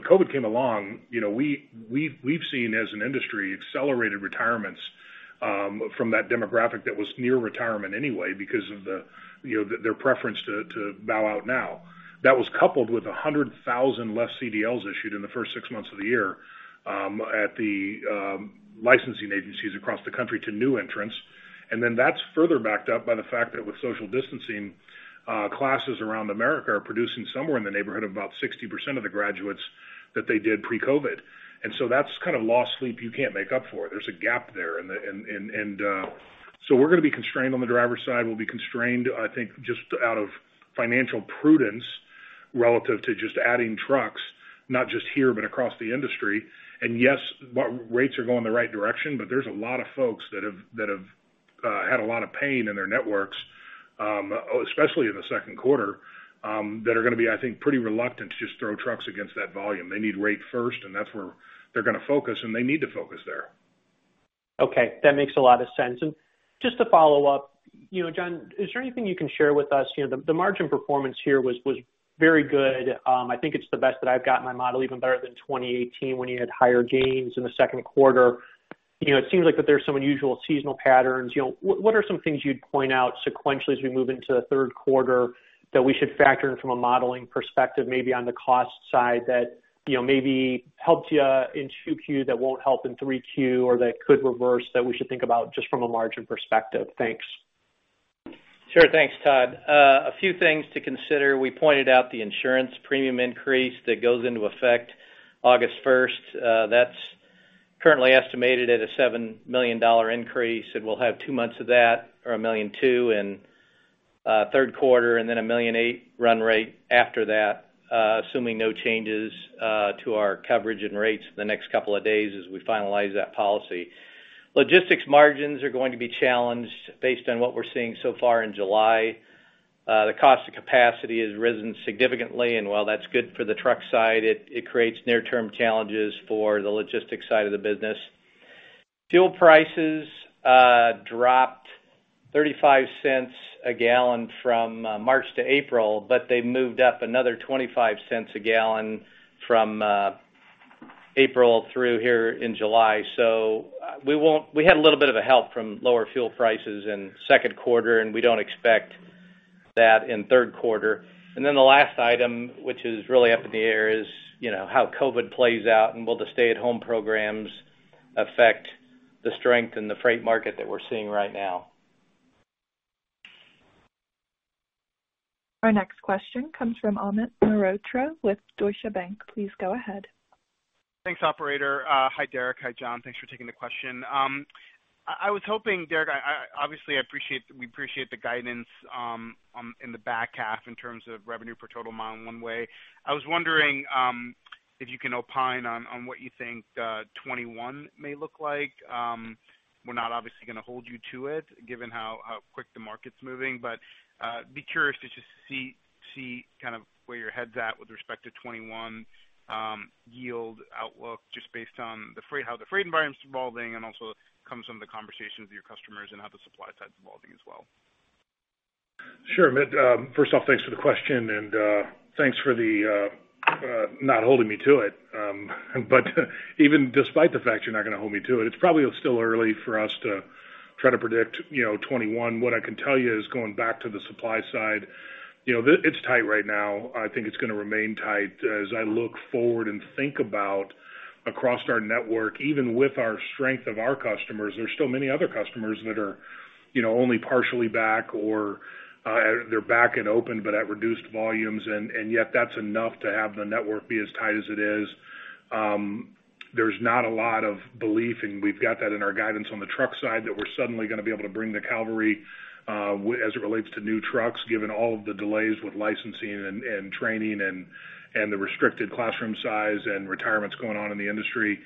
COVID-19 came along, we've seen, as an industry, accelerated retirements from that demographic that was near retirement anyway because of their preference to bow out now. That was coupled with 100,000 less CDLs issued in the first six months of the year at the licensing agencies across the country to new entrants. That's further backed up by the fact that with social distancing, classes around America are producing somewhere in the neighborhood of about 60% of the graduates that they did pre-COVID. That's lost sleep you can't make up for. There's a gap there. We're going to be constrained on the driver side. We'll be constrained, I think, just out of financial prudence relative to just adding trucks, not just here but across the industry. Yes, rates are going the right direction, but there's a lot of folks that have had a lot of pain in their networks, especially in the second quarter, that are going to be, I think, pretty reluctant to just throw trucks against that volume. They need rate first, and that's where they're going to focus, and they need to focus there. Okay. That makes a lot of sense. Just to follow up, John, is there anything you can share with us? The margin performance here was very good. I think it's the best that I've got in my model, even better than 2018 when you had higher gains in the second quarter. It seems like that there's some unusual seasonal patterns. What are some things you'd point out sequentially as we move into the third quarter that we should factor in from a modeling perspective, maybe on the cost side that maybe helped you in Q2 that won't help in Q3, or that could reverse, that we should think about just from a margin perspective? Thanks. Sure. Thanks, Todd. A few things to consider. We pointed out the insurance premium increase that goes into effect August 1st. That's currently estimated at a $7 million increase, and we'll have two months of that, or $1.2 million in third quarter, and then $1.8 million run rate after that, assuming no changes to our coverage and rates the next couple of days as we finalize that policy. Logistics margins are going to be challenged based on what we're seeing so far in July. The cost of capacity has risen significantly, and while that's good for the truck side, it creates near-term challenges for the logistics side of the business. Fuel prices dropped $0.35 a gallon from March to April, but they moved up another $0.25 a gallon from April through here in July. We had a little bit of help from lower fuel prices in second quarter, and we don't expect that in third quarter. The last item, which is really up in the air, is how COVID plays out, and will the stay-at-home programs affect the strength in the freight market that we're seeing right now. Our next question comes from Amit Mehrotra with Deutsche Bank. Please go ahead. Thanks, operator. Hi, Derek. Hi, John. Thanks for taking the question. I was hoping, Derek, obviously, we appreciate the guidance in the back half in terms of revenue per total mile one way. I was wondering if you can opine on what you think 2021 may look like. We're not obviously going to hold you to it, given how quick the market's moving. Be curious to just see where your head's at with respect to 2021 yield outlook, just based on how the freight environment's evolving and also comes from the conversations with your customers and how the supply side's evolving as well. Sure, Amit. First off, thanks for the question and thanks for not holding me to it. Even despite the fact you're not going to hold me to it's probably still early for us to try to predict 2021. What I can tell you is going back to the supply side. It's tight right now. I think it's going to remain tight. As I look forward and think about across our network, even with our strength of our customers, there's still many other customers that are only partially back, or they're back and open but at reduced volumes, and yet that's enough to have the network be as tight as it is. There's not a lot of belief, and we've got that in our guidance on the truck side, that we're suddenly going to be able to bring the cavalry as it relates to new trucks, given all of the delays with licensing and training and the restricted classroom size and retirements going on in the industry.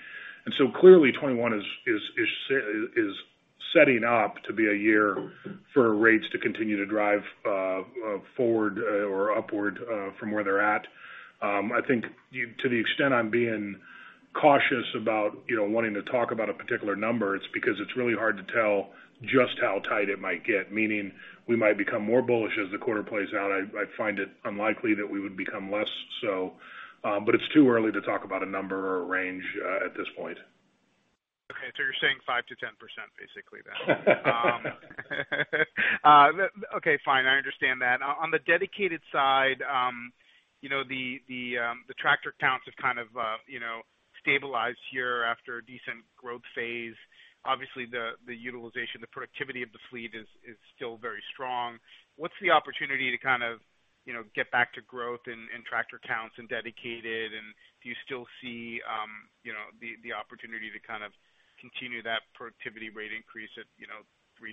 Clearly, 2021 is setting up to be a year for rates to continue to drive forward or upward from where they're at. I think to the extent I'm being cautious about wanting to talk about a particular number, it's because it's really hard to tell just how tight it might get, meaning we might become more bullish as the quarter plays out. I find it unlikely that we would become less so. It's too early to talk about a number or a range at this point. You're saying 5%-10% basically then. Fine. I understand that. On the dedicated side, the tractor counts have kind of stabilized here after a decent growth phase. Obviously, the utilization, the productivity of the fleet is still very strong. What's the opportunity to kind of get back to growth in tractor counts and dedicated, and do you still see the opportunity to kind of continue that productivity rate increase at 3%,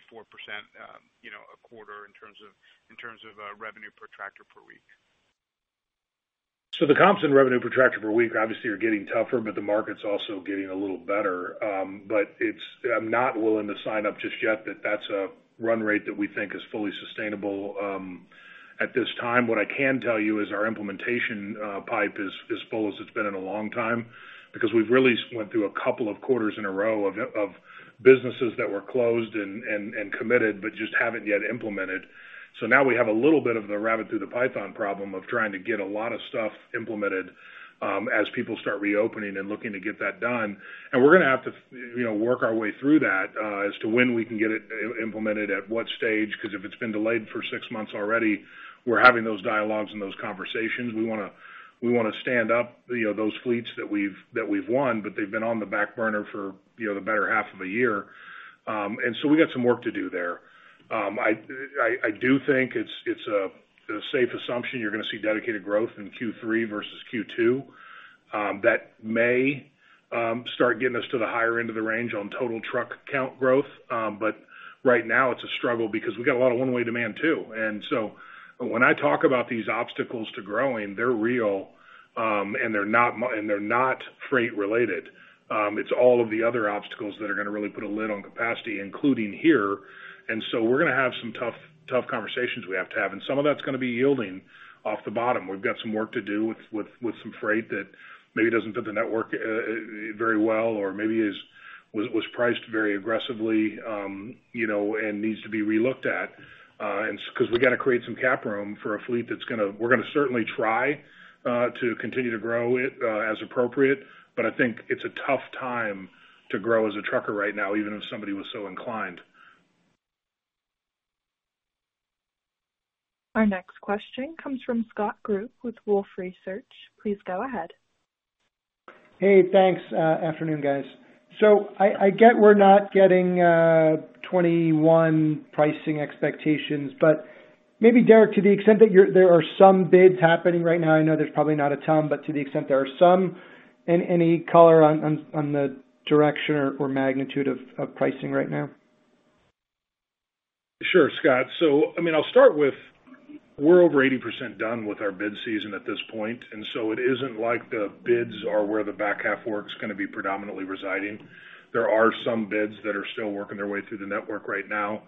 4% a quarter in terms of revenue per tractor per week? The comps in revenue per tractor per week obviously are getting tougher, but the market's also getting a little better. I'm not willing to sign up just yet, that's a run rate that we think is fully sustainable at this time. What I can tell you is our implementation pipe is as full as it's been in a long time because we've really went through a couple of quarters in a row of businesses that were closed and committed, but just haven't yet implemented. Now we have a little bit of the rabbit through the python problem of trying to get a lot of stuff implemented as people start reopening and looking to get that done. We're going to have to work our way through that as to when we can get it implemented, at what stage, because if it's been delayed for six months already, we're having those dialogues and those conversations. We want to stand up those fleets that we've won, they've been on the back burner for the better half of a year. We got some work to do there. I do think it's a safe assumption you're going to see dedicated growth in Q3 versus Q2. That may start getting us to the higher end of the range on total truck count growth. Right now it's a struggle because we got a lot of one-way demand too. When I talk about these obstacles to growing, they're real, and they're not freight related. It's all of the other obstacles that are going to really put a lid on capacity, including here. We're going to have some tough conversations we have to have. Some of that's going to be yielding off the bottom. We've got some work to do with some freight that maybe doesn't fit the network very well, or maybe was priced very aggressively, and needs to be re-looked at. We got to create some CapEx room for a fleet that we're going to certainly try to continue to grow it, as appropriate. I think it's a tough time to grow as a trucker right now, even if somebody was so inclined. Our next question comes from Scott Group with Wolfe Research. Please go ahead. Hey, thanks. Afternoon, guys. I get we're not getting 2021 pricing expectations, but maybe, Derek, to the extent that there are some bids happening right now, I know there's probably not a ton, but to the extent there are some, any color on the direction or magnitude of pricing right now? Sure, Scott. I'll start with, we're over 80% done with our bid season at this point, and so it isn't like the bids are where the back half work's going to be predominantly residing. There are some bids that are still working their way through the network right now.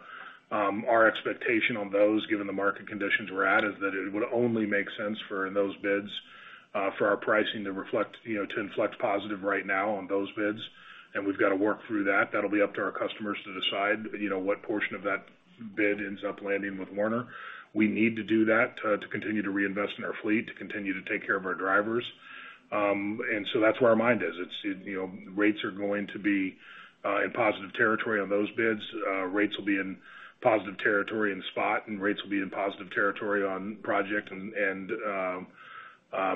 Our expectation on those, given the market conditions we're at, is that it would only make sense for those bids, for our pricing to reflect to inflect positive right now on those bids, and we've got to work through that. That'll be up to our customers to decide, what portion of that bid ends up landing with Werner. We need to do that to continue to reinvest in our fleet, to continue to take care of our drivers. That's where our mind is. Rates are going to be in positive territory on those bids. Rates will be in positive territory in spot, and rates will be in positive territory on project and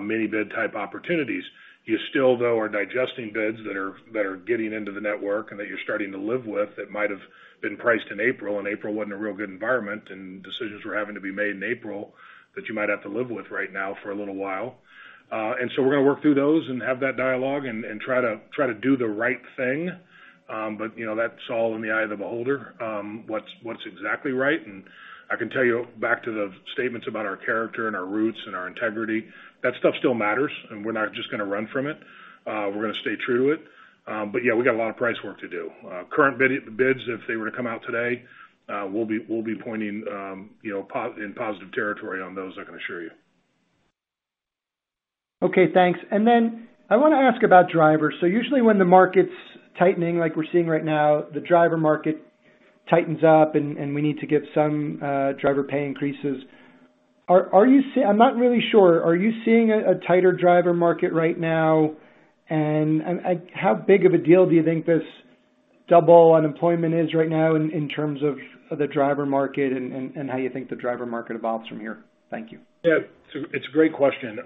mini-bid type opportunities. You still, though, are digesting bids that are getting into the network and that you're starting to live with that might have been priced in April, and April wasn't a real good environment, and decisions were having to be made in April that you might have to live with right now for a little while. We're going to work through those and have that dialogue and try to do the right thing. That's all in the eye of the beholder. What's exactly right. I can tell you back to the statements about our character and our roots and our integrity, that stuff still matters, and we're not just going to run from it. We're going to stay true to it. Yeah, we got a lot of price work to do. Current bids, if they were to come out today, we'll be pointing in positive territory on those, I can assure you. Okay, thanks. I want to ask about drivers. Usually, when the market's tightening like we're seeing right now, the driver market tightens up, and we need to give some driver pay increases. I'm not really sure, are you seeing a tighter driver market right now? How big of a deal do you think this double unemployment is right now in terms of the driver market and how you think the driver market evolves from here? Thank you. Yeah, it's a great question.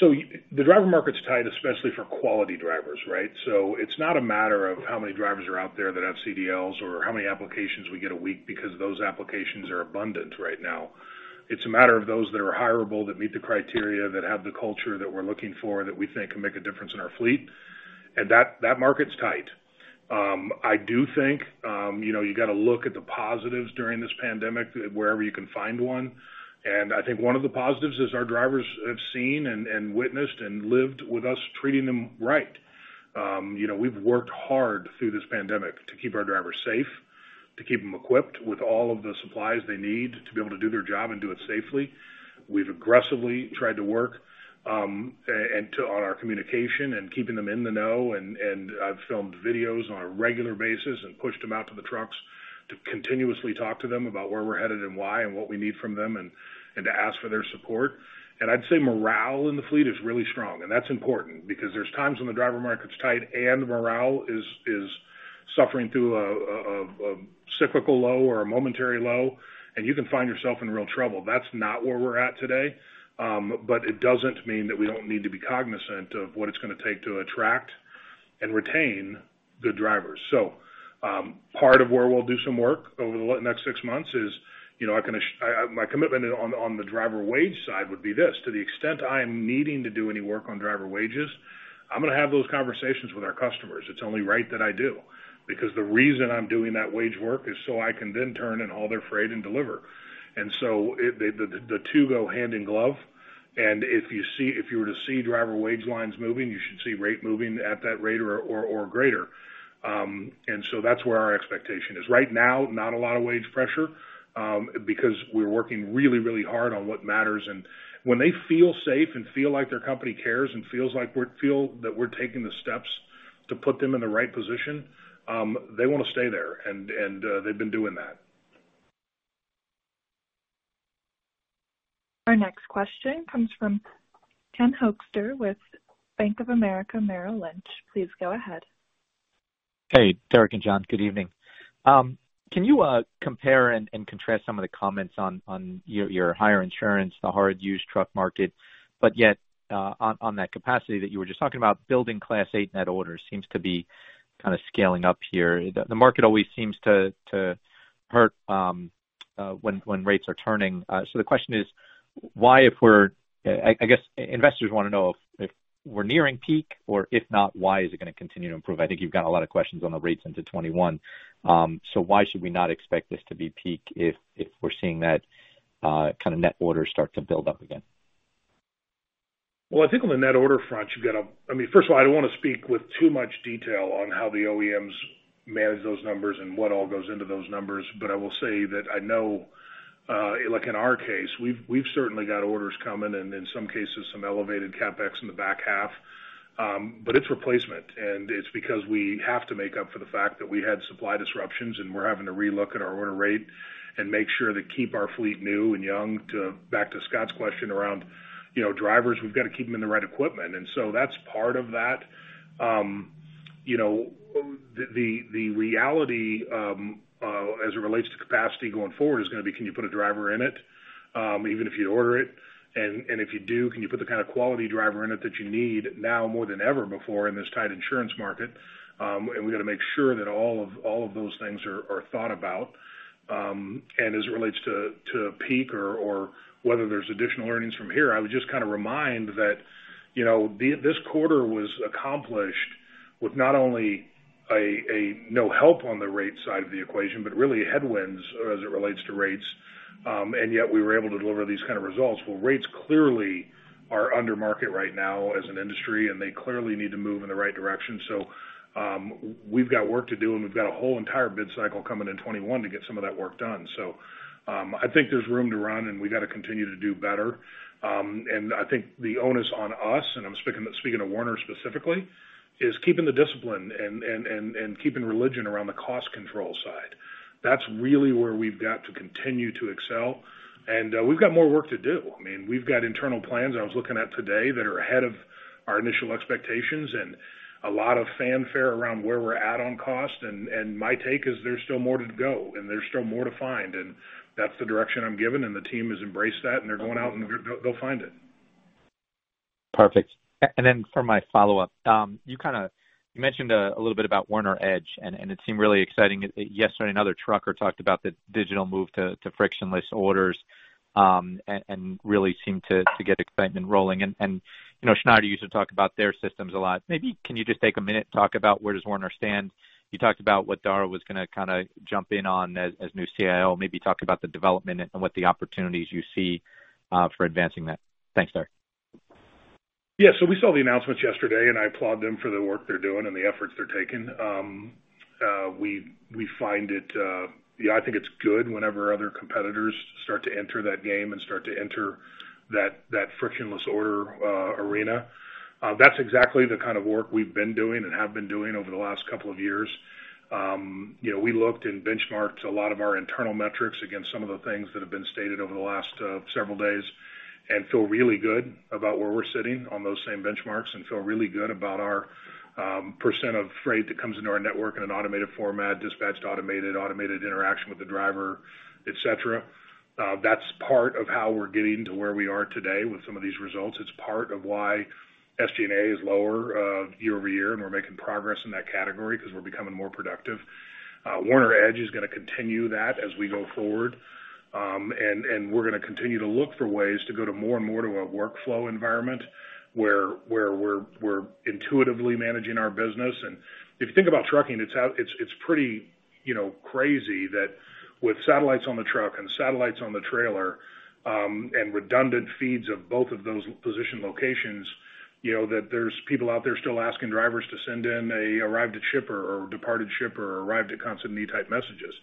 The driver market's tight, especially for quality drivers, right? It's not a matter of how many drivers are out there that have CDLs or how many applications we get a week, because those applications are abundant right now. It's a matter of those that are hirable, that meet the criteria, that have the culture that we're looking for, that we think can make a difference in our fleet. That market's tight. I do think, you got to look at the positives during this pandemic, wherever you can find one. I think one of the positives is our drivers have seen and witnessed and lived with us treating them right. We've worked hard through this pandemic to keep our drivers safe, to keep them equipped with all of the supplies they need to be able to do their job and do it safely. We've aggressively tried to work on our communication and keeping them in the know, and I've filmed videos on a regular basis and pushed them out to the trucks to continuously talk to them about where we're headed and why and what we need from them and to ask for their support. I'd say morale in the fleet is really strong, and that's important because there's times when the driver market's tight and morale is suffering through a cyclical low or a momentary low, and you can find yourself in real trouble. That's not where we're at today. It doesn't mean that we don't need to be cognizant of what it's going to take to attract and retain good drivers. Part of where we'll do some work over the next six months is, my commitment on the driver wage side would be this. To the extent I am needing to do any work on driver wages, I'm going to have those conversations with our customers. It's only right that I do. The reason I'm doing that wage work is so I can then turn and haul their freight and deliver. The two go hand in glove. If you were to see driver wage lines moving, you should see rate moving at that rate or greater. That's where our expectation is. Right now, not a lot of wage pressure, because we're working really, really hard on what matters. When they feel safe and feel like their company cares and feel that we're taking the steps to put them in the right position, they want to stay there, and they've been doing that. Our next question comes from Ken Hoexter with Bank of America Merrill Lynch. Please go ahead. Hey, Derek and John, good evening. Can you compare and contrast some of the comments on your higher insurance, the hot used truck market, but yet on that capacity that you were just talking about, building Class A net orders seems to be scaling up here. The market always seems to hurt when rates are turning. The question is, I guess investors want to know if we're nearing peak, or if not, why is it going to continue to improve? I think you've got a lot of questions on the rates into 2021. Why should we not expect this to be a peak if we're seeing that kind of net order start to build up again? Well, I think on the net order front, first of all, I don't want to speak with too much detail on how the OEMs manage those numbers and what all goes into those numbers. I will say that I know, like in our case, we've certainly got orders coming and, in some cases, some elevated CapEx in the back half. It's replacement, and it's because we have to make up for the fact that we had supply disruptions, and we're having to re-look at our order rate and make sure to keep our fleet new and young. Back to Scott's question around drivers, we've got to keep them in the right equipment, that's part of that. The reality, as it relates to capacity going forward, is going to be, can you put a driver in it, even if you order it? If you do, can you put the kind of quality driver in it that you need now more than ever before in this tight insurance market? We've got to make sure that all of those things are thought about. As it relates to peak or whether there's additional earnings from here, I would just remind that this quarter was accomplished with not only a no help on the rate side of the equation, but really headwinds as it relates to rates. Yet we were able to deliver these kind of results. Well, rates clearly are under market right now as an industry, and they clearly need to move in the right direction. We've got work to do, and we've got a whole entire bid cycle coming in 2021 to get some of that work done. I think there's room to run, and we got to continue to do better. I think the onus on us, and I'm speaking of Werner specifically, is keeping the discipline and keeping religion around the cost control side. That's really where we've got to continue to excel. We've got more work to do. We've got internal plans I was looking at today that are ahead of our initial expectations and a lot of fanfare around where we're at on cost. My take is there's still more to go, and there's still more to find. That's the direction I'm given, and the team has embraced that, and they're going out, and they'll find it. Perfect. Then for my follow-up, you mentioned a little bit about Werner EDGE, and it seemed really exciting. Yesterday, another trucker talked about the digital move to frictionless orders and really seemed to get the excitement rolling. Schneider used to talk about their systems a lot. Maybe can you just take a minute to talk about where does Werner stand? You talked about what Daragh was going to jump in on as new CIO. Maybe talk about the development and what the opportunities you see for advancing that. Thanks, Derek. Yeah. We saw the announcements yesterday, and I applaud them for the work they're doing and the efforts they're taking. I think it's good whenever other competitors start to enter that game and start to enter that frictionless order arena. That's exactly the kind of work we've been doing and have been doing over the last couple of years. We looked and benchmarked a lot of our internal metrics against some of the things that have been stated over the last several days, and feel really good about where we're sitting on those same benchmarks, and feel really good about our percent of freight that comes into our network in an automated format, dispatched automated interaction with the driver, et cetera. That's part of how we're getting to where we are today with some of these results. It's part of why SG&A is lower year-over-year. We're making progress in that category because we're becoming more productive. Werner EDGE is going to continue that as we go forward. We're going to continue to look for ways to go to more and more to a workflow environment, where we're intuitively managing our business. If you think about trucking, it's pretty crazy that with satellites on the truck and satellites on the trailer, and redundant feeds of both of those position locations, that there's people out there still asking drivers to send in an arrived at shipper or departed shipper or arrived at consignee type messages.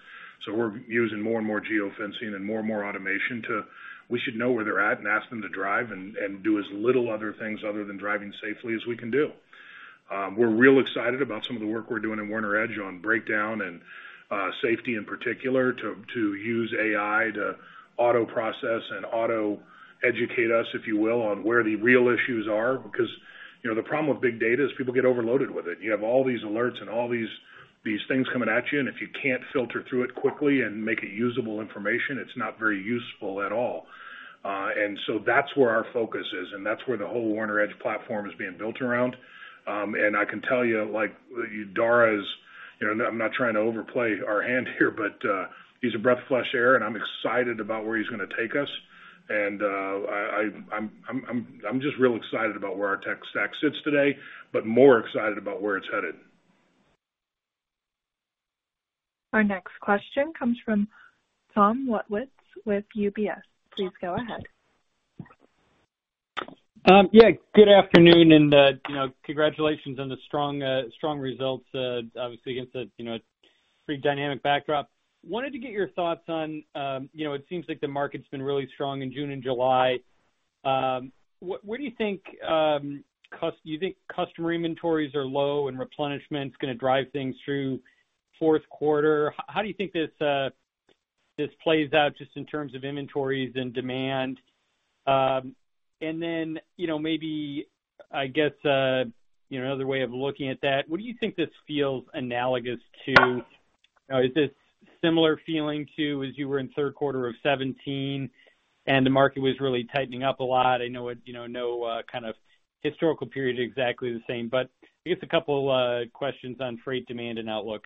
We're using more and more geofencing and more and more automation to we should know where they're at and ask them to drive and do as little other things other than driving safely as we can do. We're real excited about some of the work we're doing in Werner EDGE on breakdown and safety in particular, to use AI to auto-process and auto-educate us, if you will, on where the real issues are. The problem with big data is the people get overloaded with it. You have all these alerts and all these things coming at you, and if you can't filter through it quickly and make it usable information, it's not very useful at all. That's where our focus is, and that's where the whole Werner EDGE platform is being built around. I can tell you, Daragh is, I'm not trying to overplay our hand here, but he's a breath of fresh air, and I'm excited about where he's going to take us. I'm just really excited about where our tech stack sits today, but more excited about where it's headed. Our next question comes from Tom Wadewitz with UBS. Please go ahead. Yeah. Good afternoon. Congratulations on the strong results, obviously against a pretty dynamic backdrop. Wanted to get your thoughts on, it seems like the market's been really strong in June and July. Do you think customer inventories are low, and replenishment is going to drive things through the fourth quarter? This plays out just in terms of inventories and demand. Then maybe, I guess, another way of looking at that, what do you think this feels analogous to? Is this similar feeling to as you were in third quarter of 2017 and the market was really tightening up a lot? I know no historical period is exactly the same. I guess a couple questions on freight demand and outlook.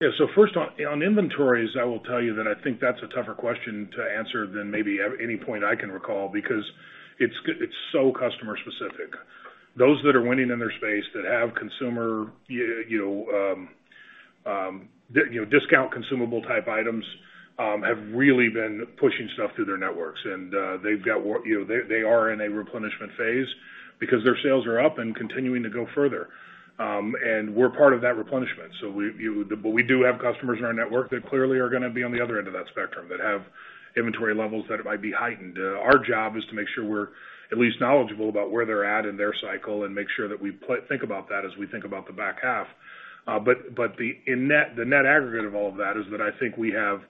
Yeah. First on inventories, I will tell you that I think that's a tougher question to answer than maybe at any point I can recall because it's so customer specific. Those that are winning in their space that have consumer discount consumable-type items, have really been pushing stuff through their networks. They are in a replenishment phase because their sales are up and continuing to go further. We're part of that replenishment. We do have customers in our network that clearly are going to be on the other end of that spectrum, that have inventory levels that might be heightened. Our job is to make sure we're at least knowledgeable about where they're at in their cycle and make sure that we think about that as we think about the back half. The net aggregate of all of that is that I think we have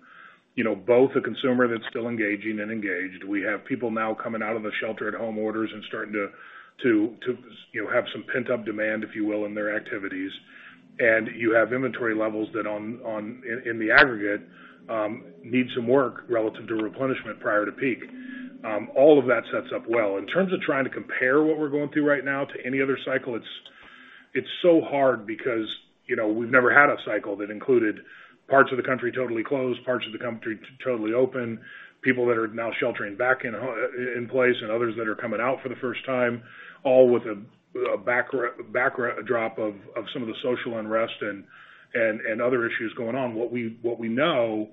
both a consumer that's still engaging and engaged. We have people now coming out of the shelter-at-home orders and starting to have some pent-up demand, if you will, in their activities. You have inventory levels that in the aggregate, need some work relative to replenishment prior to peak. All of that sets up well. In terms of trying to compare what we're going through right now to any other cycle, it's so hard because we've never had a cycle that included parts of the country totally closed, parts of the country totally open, people that are now sheltering back in place, and others that are coming out for the first time, all with a backdrop of some of the social unrest and other issues going on. What we know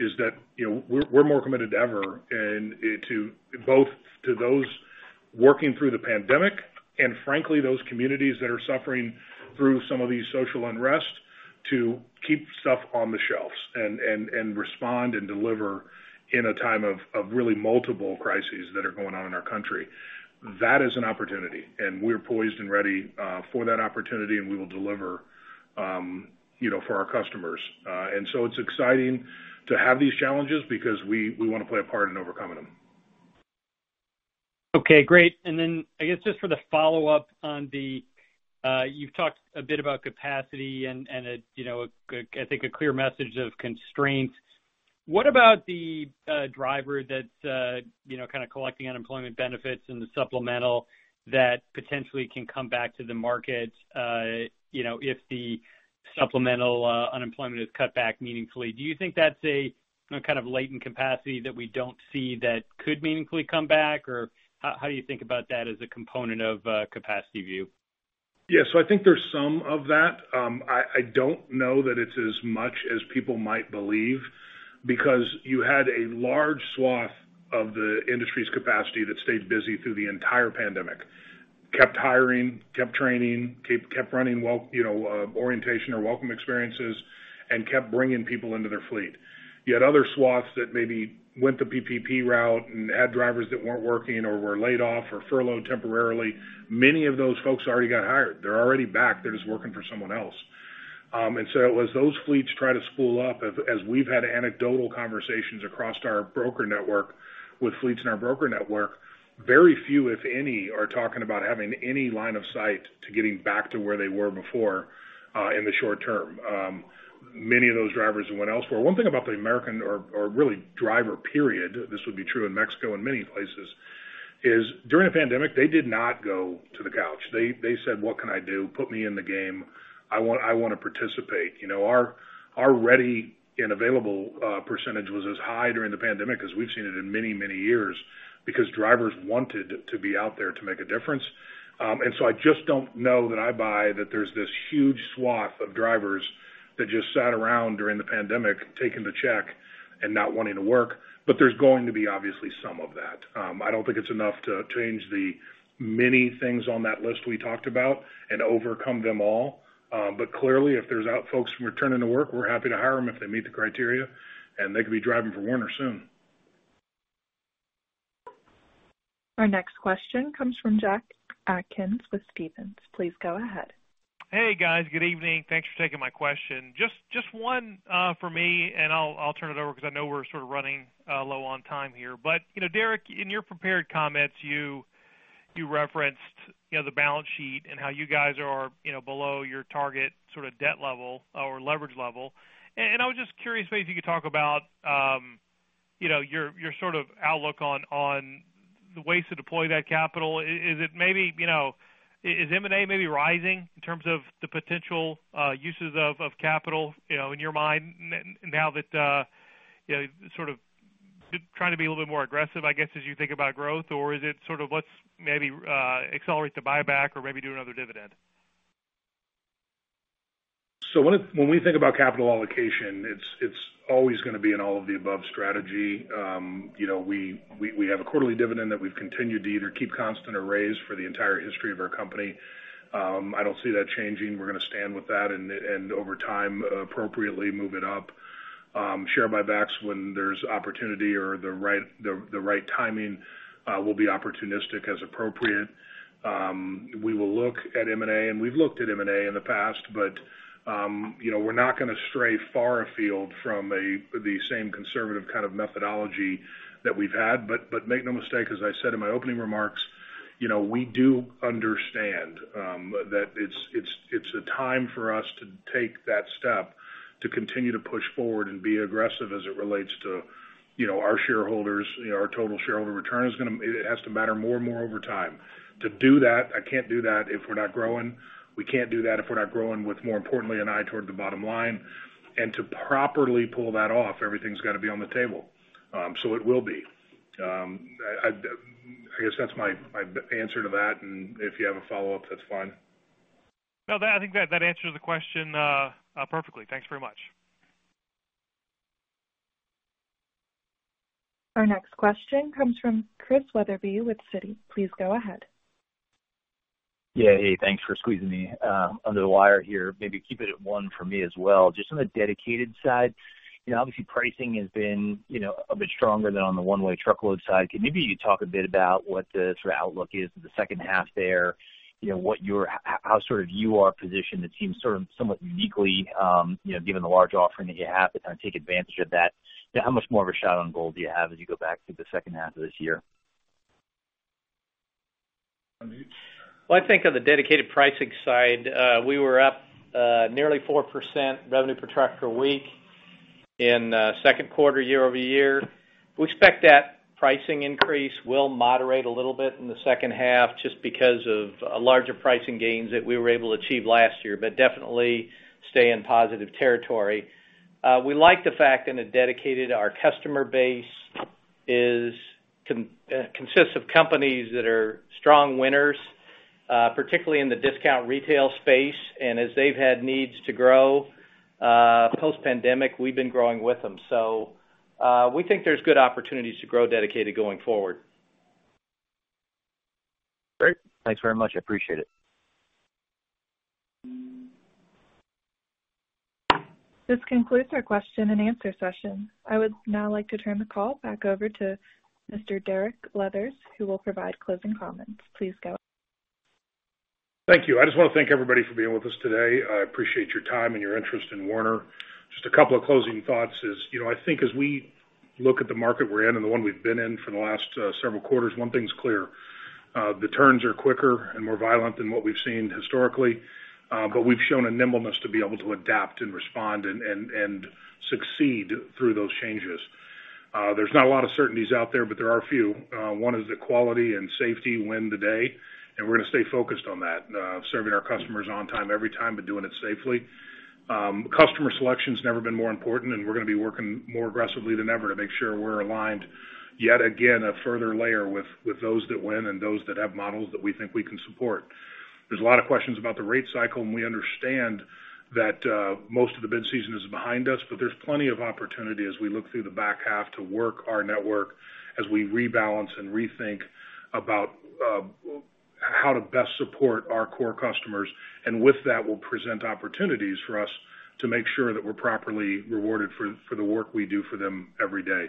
is that we're more committed than ever, both to those working through the pandemic, and frankly, those communities that are suffering through some of these social unrest to keep stuff on the shelves and respond and deliver in a time of really multiple crises that are going on in our country. That is an opportunity, and we're poised and ready for that opportunity, and we will deliver for our customers. It's exciting to have these challenges because we want to play a part in overcoming them. Okay, great. I guess just for the follow-up on the, you've talked a bit about capacity and I think a clear message of constraints. What about the driver that's kind of collecting unemployment benefits and the supplemental that potentially can come back to the market if the supplemental unemployment is cut back meaningfully? Do you think that's a kind of latent capacity that we don't see that could meaningfully come back? How do you think about that as a component of capacity view? Yeah. I think there's some of that. I don't know that it's as much as people might believe because you had a large swath of the industry's capacity that stayed busy through the entire pandemic, kept hiring, kept training, kept running orientation or welcome experiences, and kept bringing people into their fleet. You had other swaths that maybe went the PPP route and had drivers that weren't working or were laid off or furloughed temporarily. Many of those folks already got hired. They're already back. They're just working for someone else. As those fleets try to spool up, as we've had anecdotal conversations across our broker network with fleets in our broker network, very few, if any, are talking about having any line of sight to getting back to where they were before, in the short term. Many of those drivers went elsewhere. One thing about the American or really driver pool, this would be true in Mexico and many places, is during the pandemic, they did not go to the couch. They said, "What can I do? Put me in the game. I want to participate." Our ready and available percentage was as high during the pandemic as we've seen it in many, many years because drivers wanted to be out there to make a difference. I just don't know that I buy that there's this huge swath of drivers that just sat around during the pandemic taking the check and not wanting to work. There's going to be obviously some of that. I don't think it's enough to change the many things on that list we talked about and overcome them all. Clearly, if there's folks returning to work, we're happy to hire them if they meet the criteria, and they could be driving for Werner soon. Our next question comes from Jack Atkins with Stephens. Please go ahead. Hey, guys. Good evening. Thanks for taking my question. Just one for me, and I'll turn it over because I know we're sort of running low on time here. Derek, in your prepared comments, you referenced the balance sheet and how you guys are below your target sort of debt level or leverage level. I was just curious if you could talk about your sort of outlook on the ways to deploy that capital. Is M&A maybe rising in terms of the potential uses of capital in your mind now that sort of trying to be a little bit more aggressive, I guess, as you think about growth? Is it sort of let's maybe accelerate the buyback or maybe do another dividend? When we think about capital allocation, it's always going to be an all of the above strategy. We have a quarterly dividend that we've continued to either keep constant or raise for the entire history of our company. I don't see that changing. We're going to stand with that, and over time, appropriately move it up. Share buybacks when there's opportunity or the right timing. We'll be opportunistic as appropriate. We will look at M&A, and we've looked at M&A in the past, but we're not going to stray far afield from the same conservative kind of methodology that we've had. Make no mistake, as I said in my opening remarks, we do understand that it's a time for us to take that step, to continue to push forward and be aggressive as it relates to our shareholders. Our total shareholder return, it has to matter more and more over time. To do that, I can't do that if we're not growing. We can't do that if we're not growing with, more importantly, an eye toward the bottom line. To properly pull that off, everything's got to be on the table. It will be. I guess that's my answer to that. If you have a follow-up, that's fine. No, I think that answers the question perfectly. Thanks very much. Our next question comes from Chris Wetherbee with Citi. Please go ahead. Hey, thanks for squeezing me under the wire here. Maybe keep it at one for me as well. Just on the dedicated side, obviously pricing has been a bit stronger than on the one-way truckload side. Can maybe you talk a bit about what the sort of outlook is for the second half there? How sort of you are positioned? It seems sort of somewhat uniquely, given the large offering that you have to kind of take advantage of that. How much more of a shot on goal do you have as you go back through the second half of this year? John? Well, I think on the dedicated pricing side, we were up nearly 4% revenue per truck per week in second quarter, year-over-year. We expect that pricing increase will moderate a little bit in the second half just because of larger pricing gains that we were able to achieve last year but definitely stay in positive territory. We like the fact in the dedicated, our customer base consists of companies that are strong winners, particularly in the discount retail space. As they've had needs to grow post-pandemic, we've been growing with them. We think there's good opportunities to grow dedicated going forward. Great. Thanks very much. I appreciate it. This concludes our question-and-answer session. I would now like to turn the call back over to Mr. Derek Leathers, who will provide closing comments. Please go. Thank you. I just want to thank everybody for being with us today. I appreciate your time and your interest in Werner. Just a couple of closing thoughts is, I think as we look at the market we're in and the one, we've been in for the last several quarters, one thing's clear. The turns are quicker and more violent than what we've seen historically, but we've shown a nimbleness to be able to adapt and respond and succeed through those changes. There's not a lot of certainties out there, but there are a few. One is that quality and safety win the day, and we're going to stay focused on that, serving our customers on time every time, but doing it safely. Customer selection's never been more important. We're going to be working more aggressively than ever to make sure we're aligned, yet again, a further layer with those that win and those that have models that we think we can support. There's a lot of questions about the rate cycle, and we understand that most of the bid season is behind us, but there's plenty of opportunity as we look through the back half to work our network as we rebalance and rethink about how to best support our core customers. With that, will present opportunities for us to make sure that we're properly rewarded for the work we do for them every day.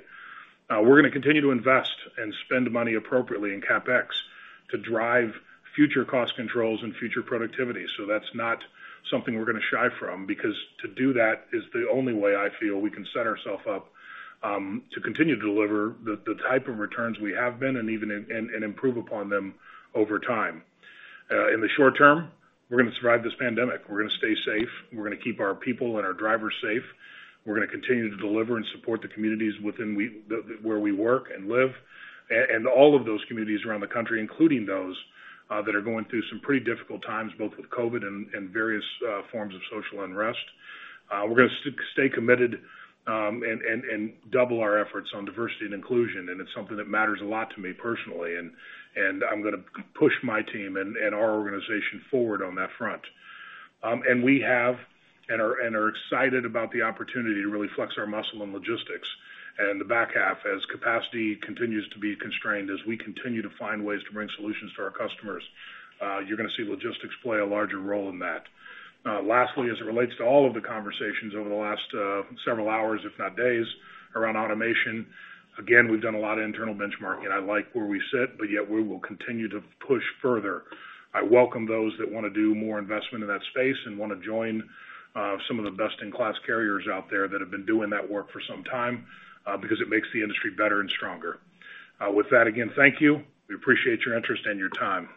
We're going to continue to invest and spend money appropriately in CapEx to drive future cost controls and future productivity. That's not something we're going to shy from, because to do that is the only way I feel we can set ourselves up to continue to deliver the type of returns we have been and improve upon them over time. In the short term, we're going to survive this pandemic. We're going to stay safe. We're going to keep our people and our drivers safe. We're going to continue to deliver and support the communities where we work and live, and all of those communities around the country, including those that are going through some pretty difficult times, both with COVID-19 and various forms of social unrest. We're going to stay committed and double our efforts on diversity and inclusion, and it's something that matters a lot to me personally, and I'm going to push my team and our organization forward on that front. We have and are excited about the opportunity to really flex our muscle in logistics in the back half as capacity continues to be constrained, as we continue to find ways to bring solutions to our customers. You're going to see logistics play a larger role in that. Lastly, as it relates to all of the conversations over the last several hours, if not days, around automation, again, we've done a lot of internal benchmarking. I like where we sit, but yet we will continue to push further. I welcome those that want to do more investment in that space and want to join some of the best-in-class carriers out there that have been doing that work for some time because it makes the industry better and stronger. With that, again, thank you. We appreciate your interest and your time.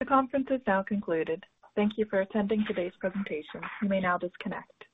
The conference is now concluded. Thank you for attending today's presentation. You may now disconnect.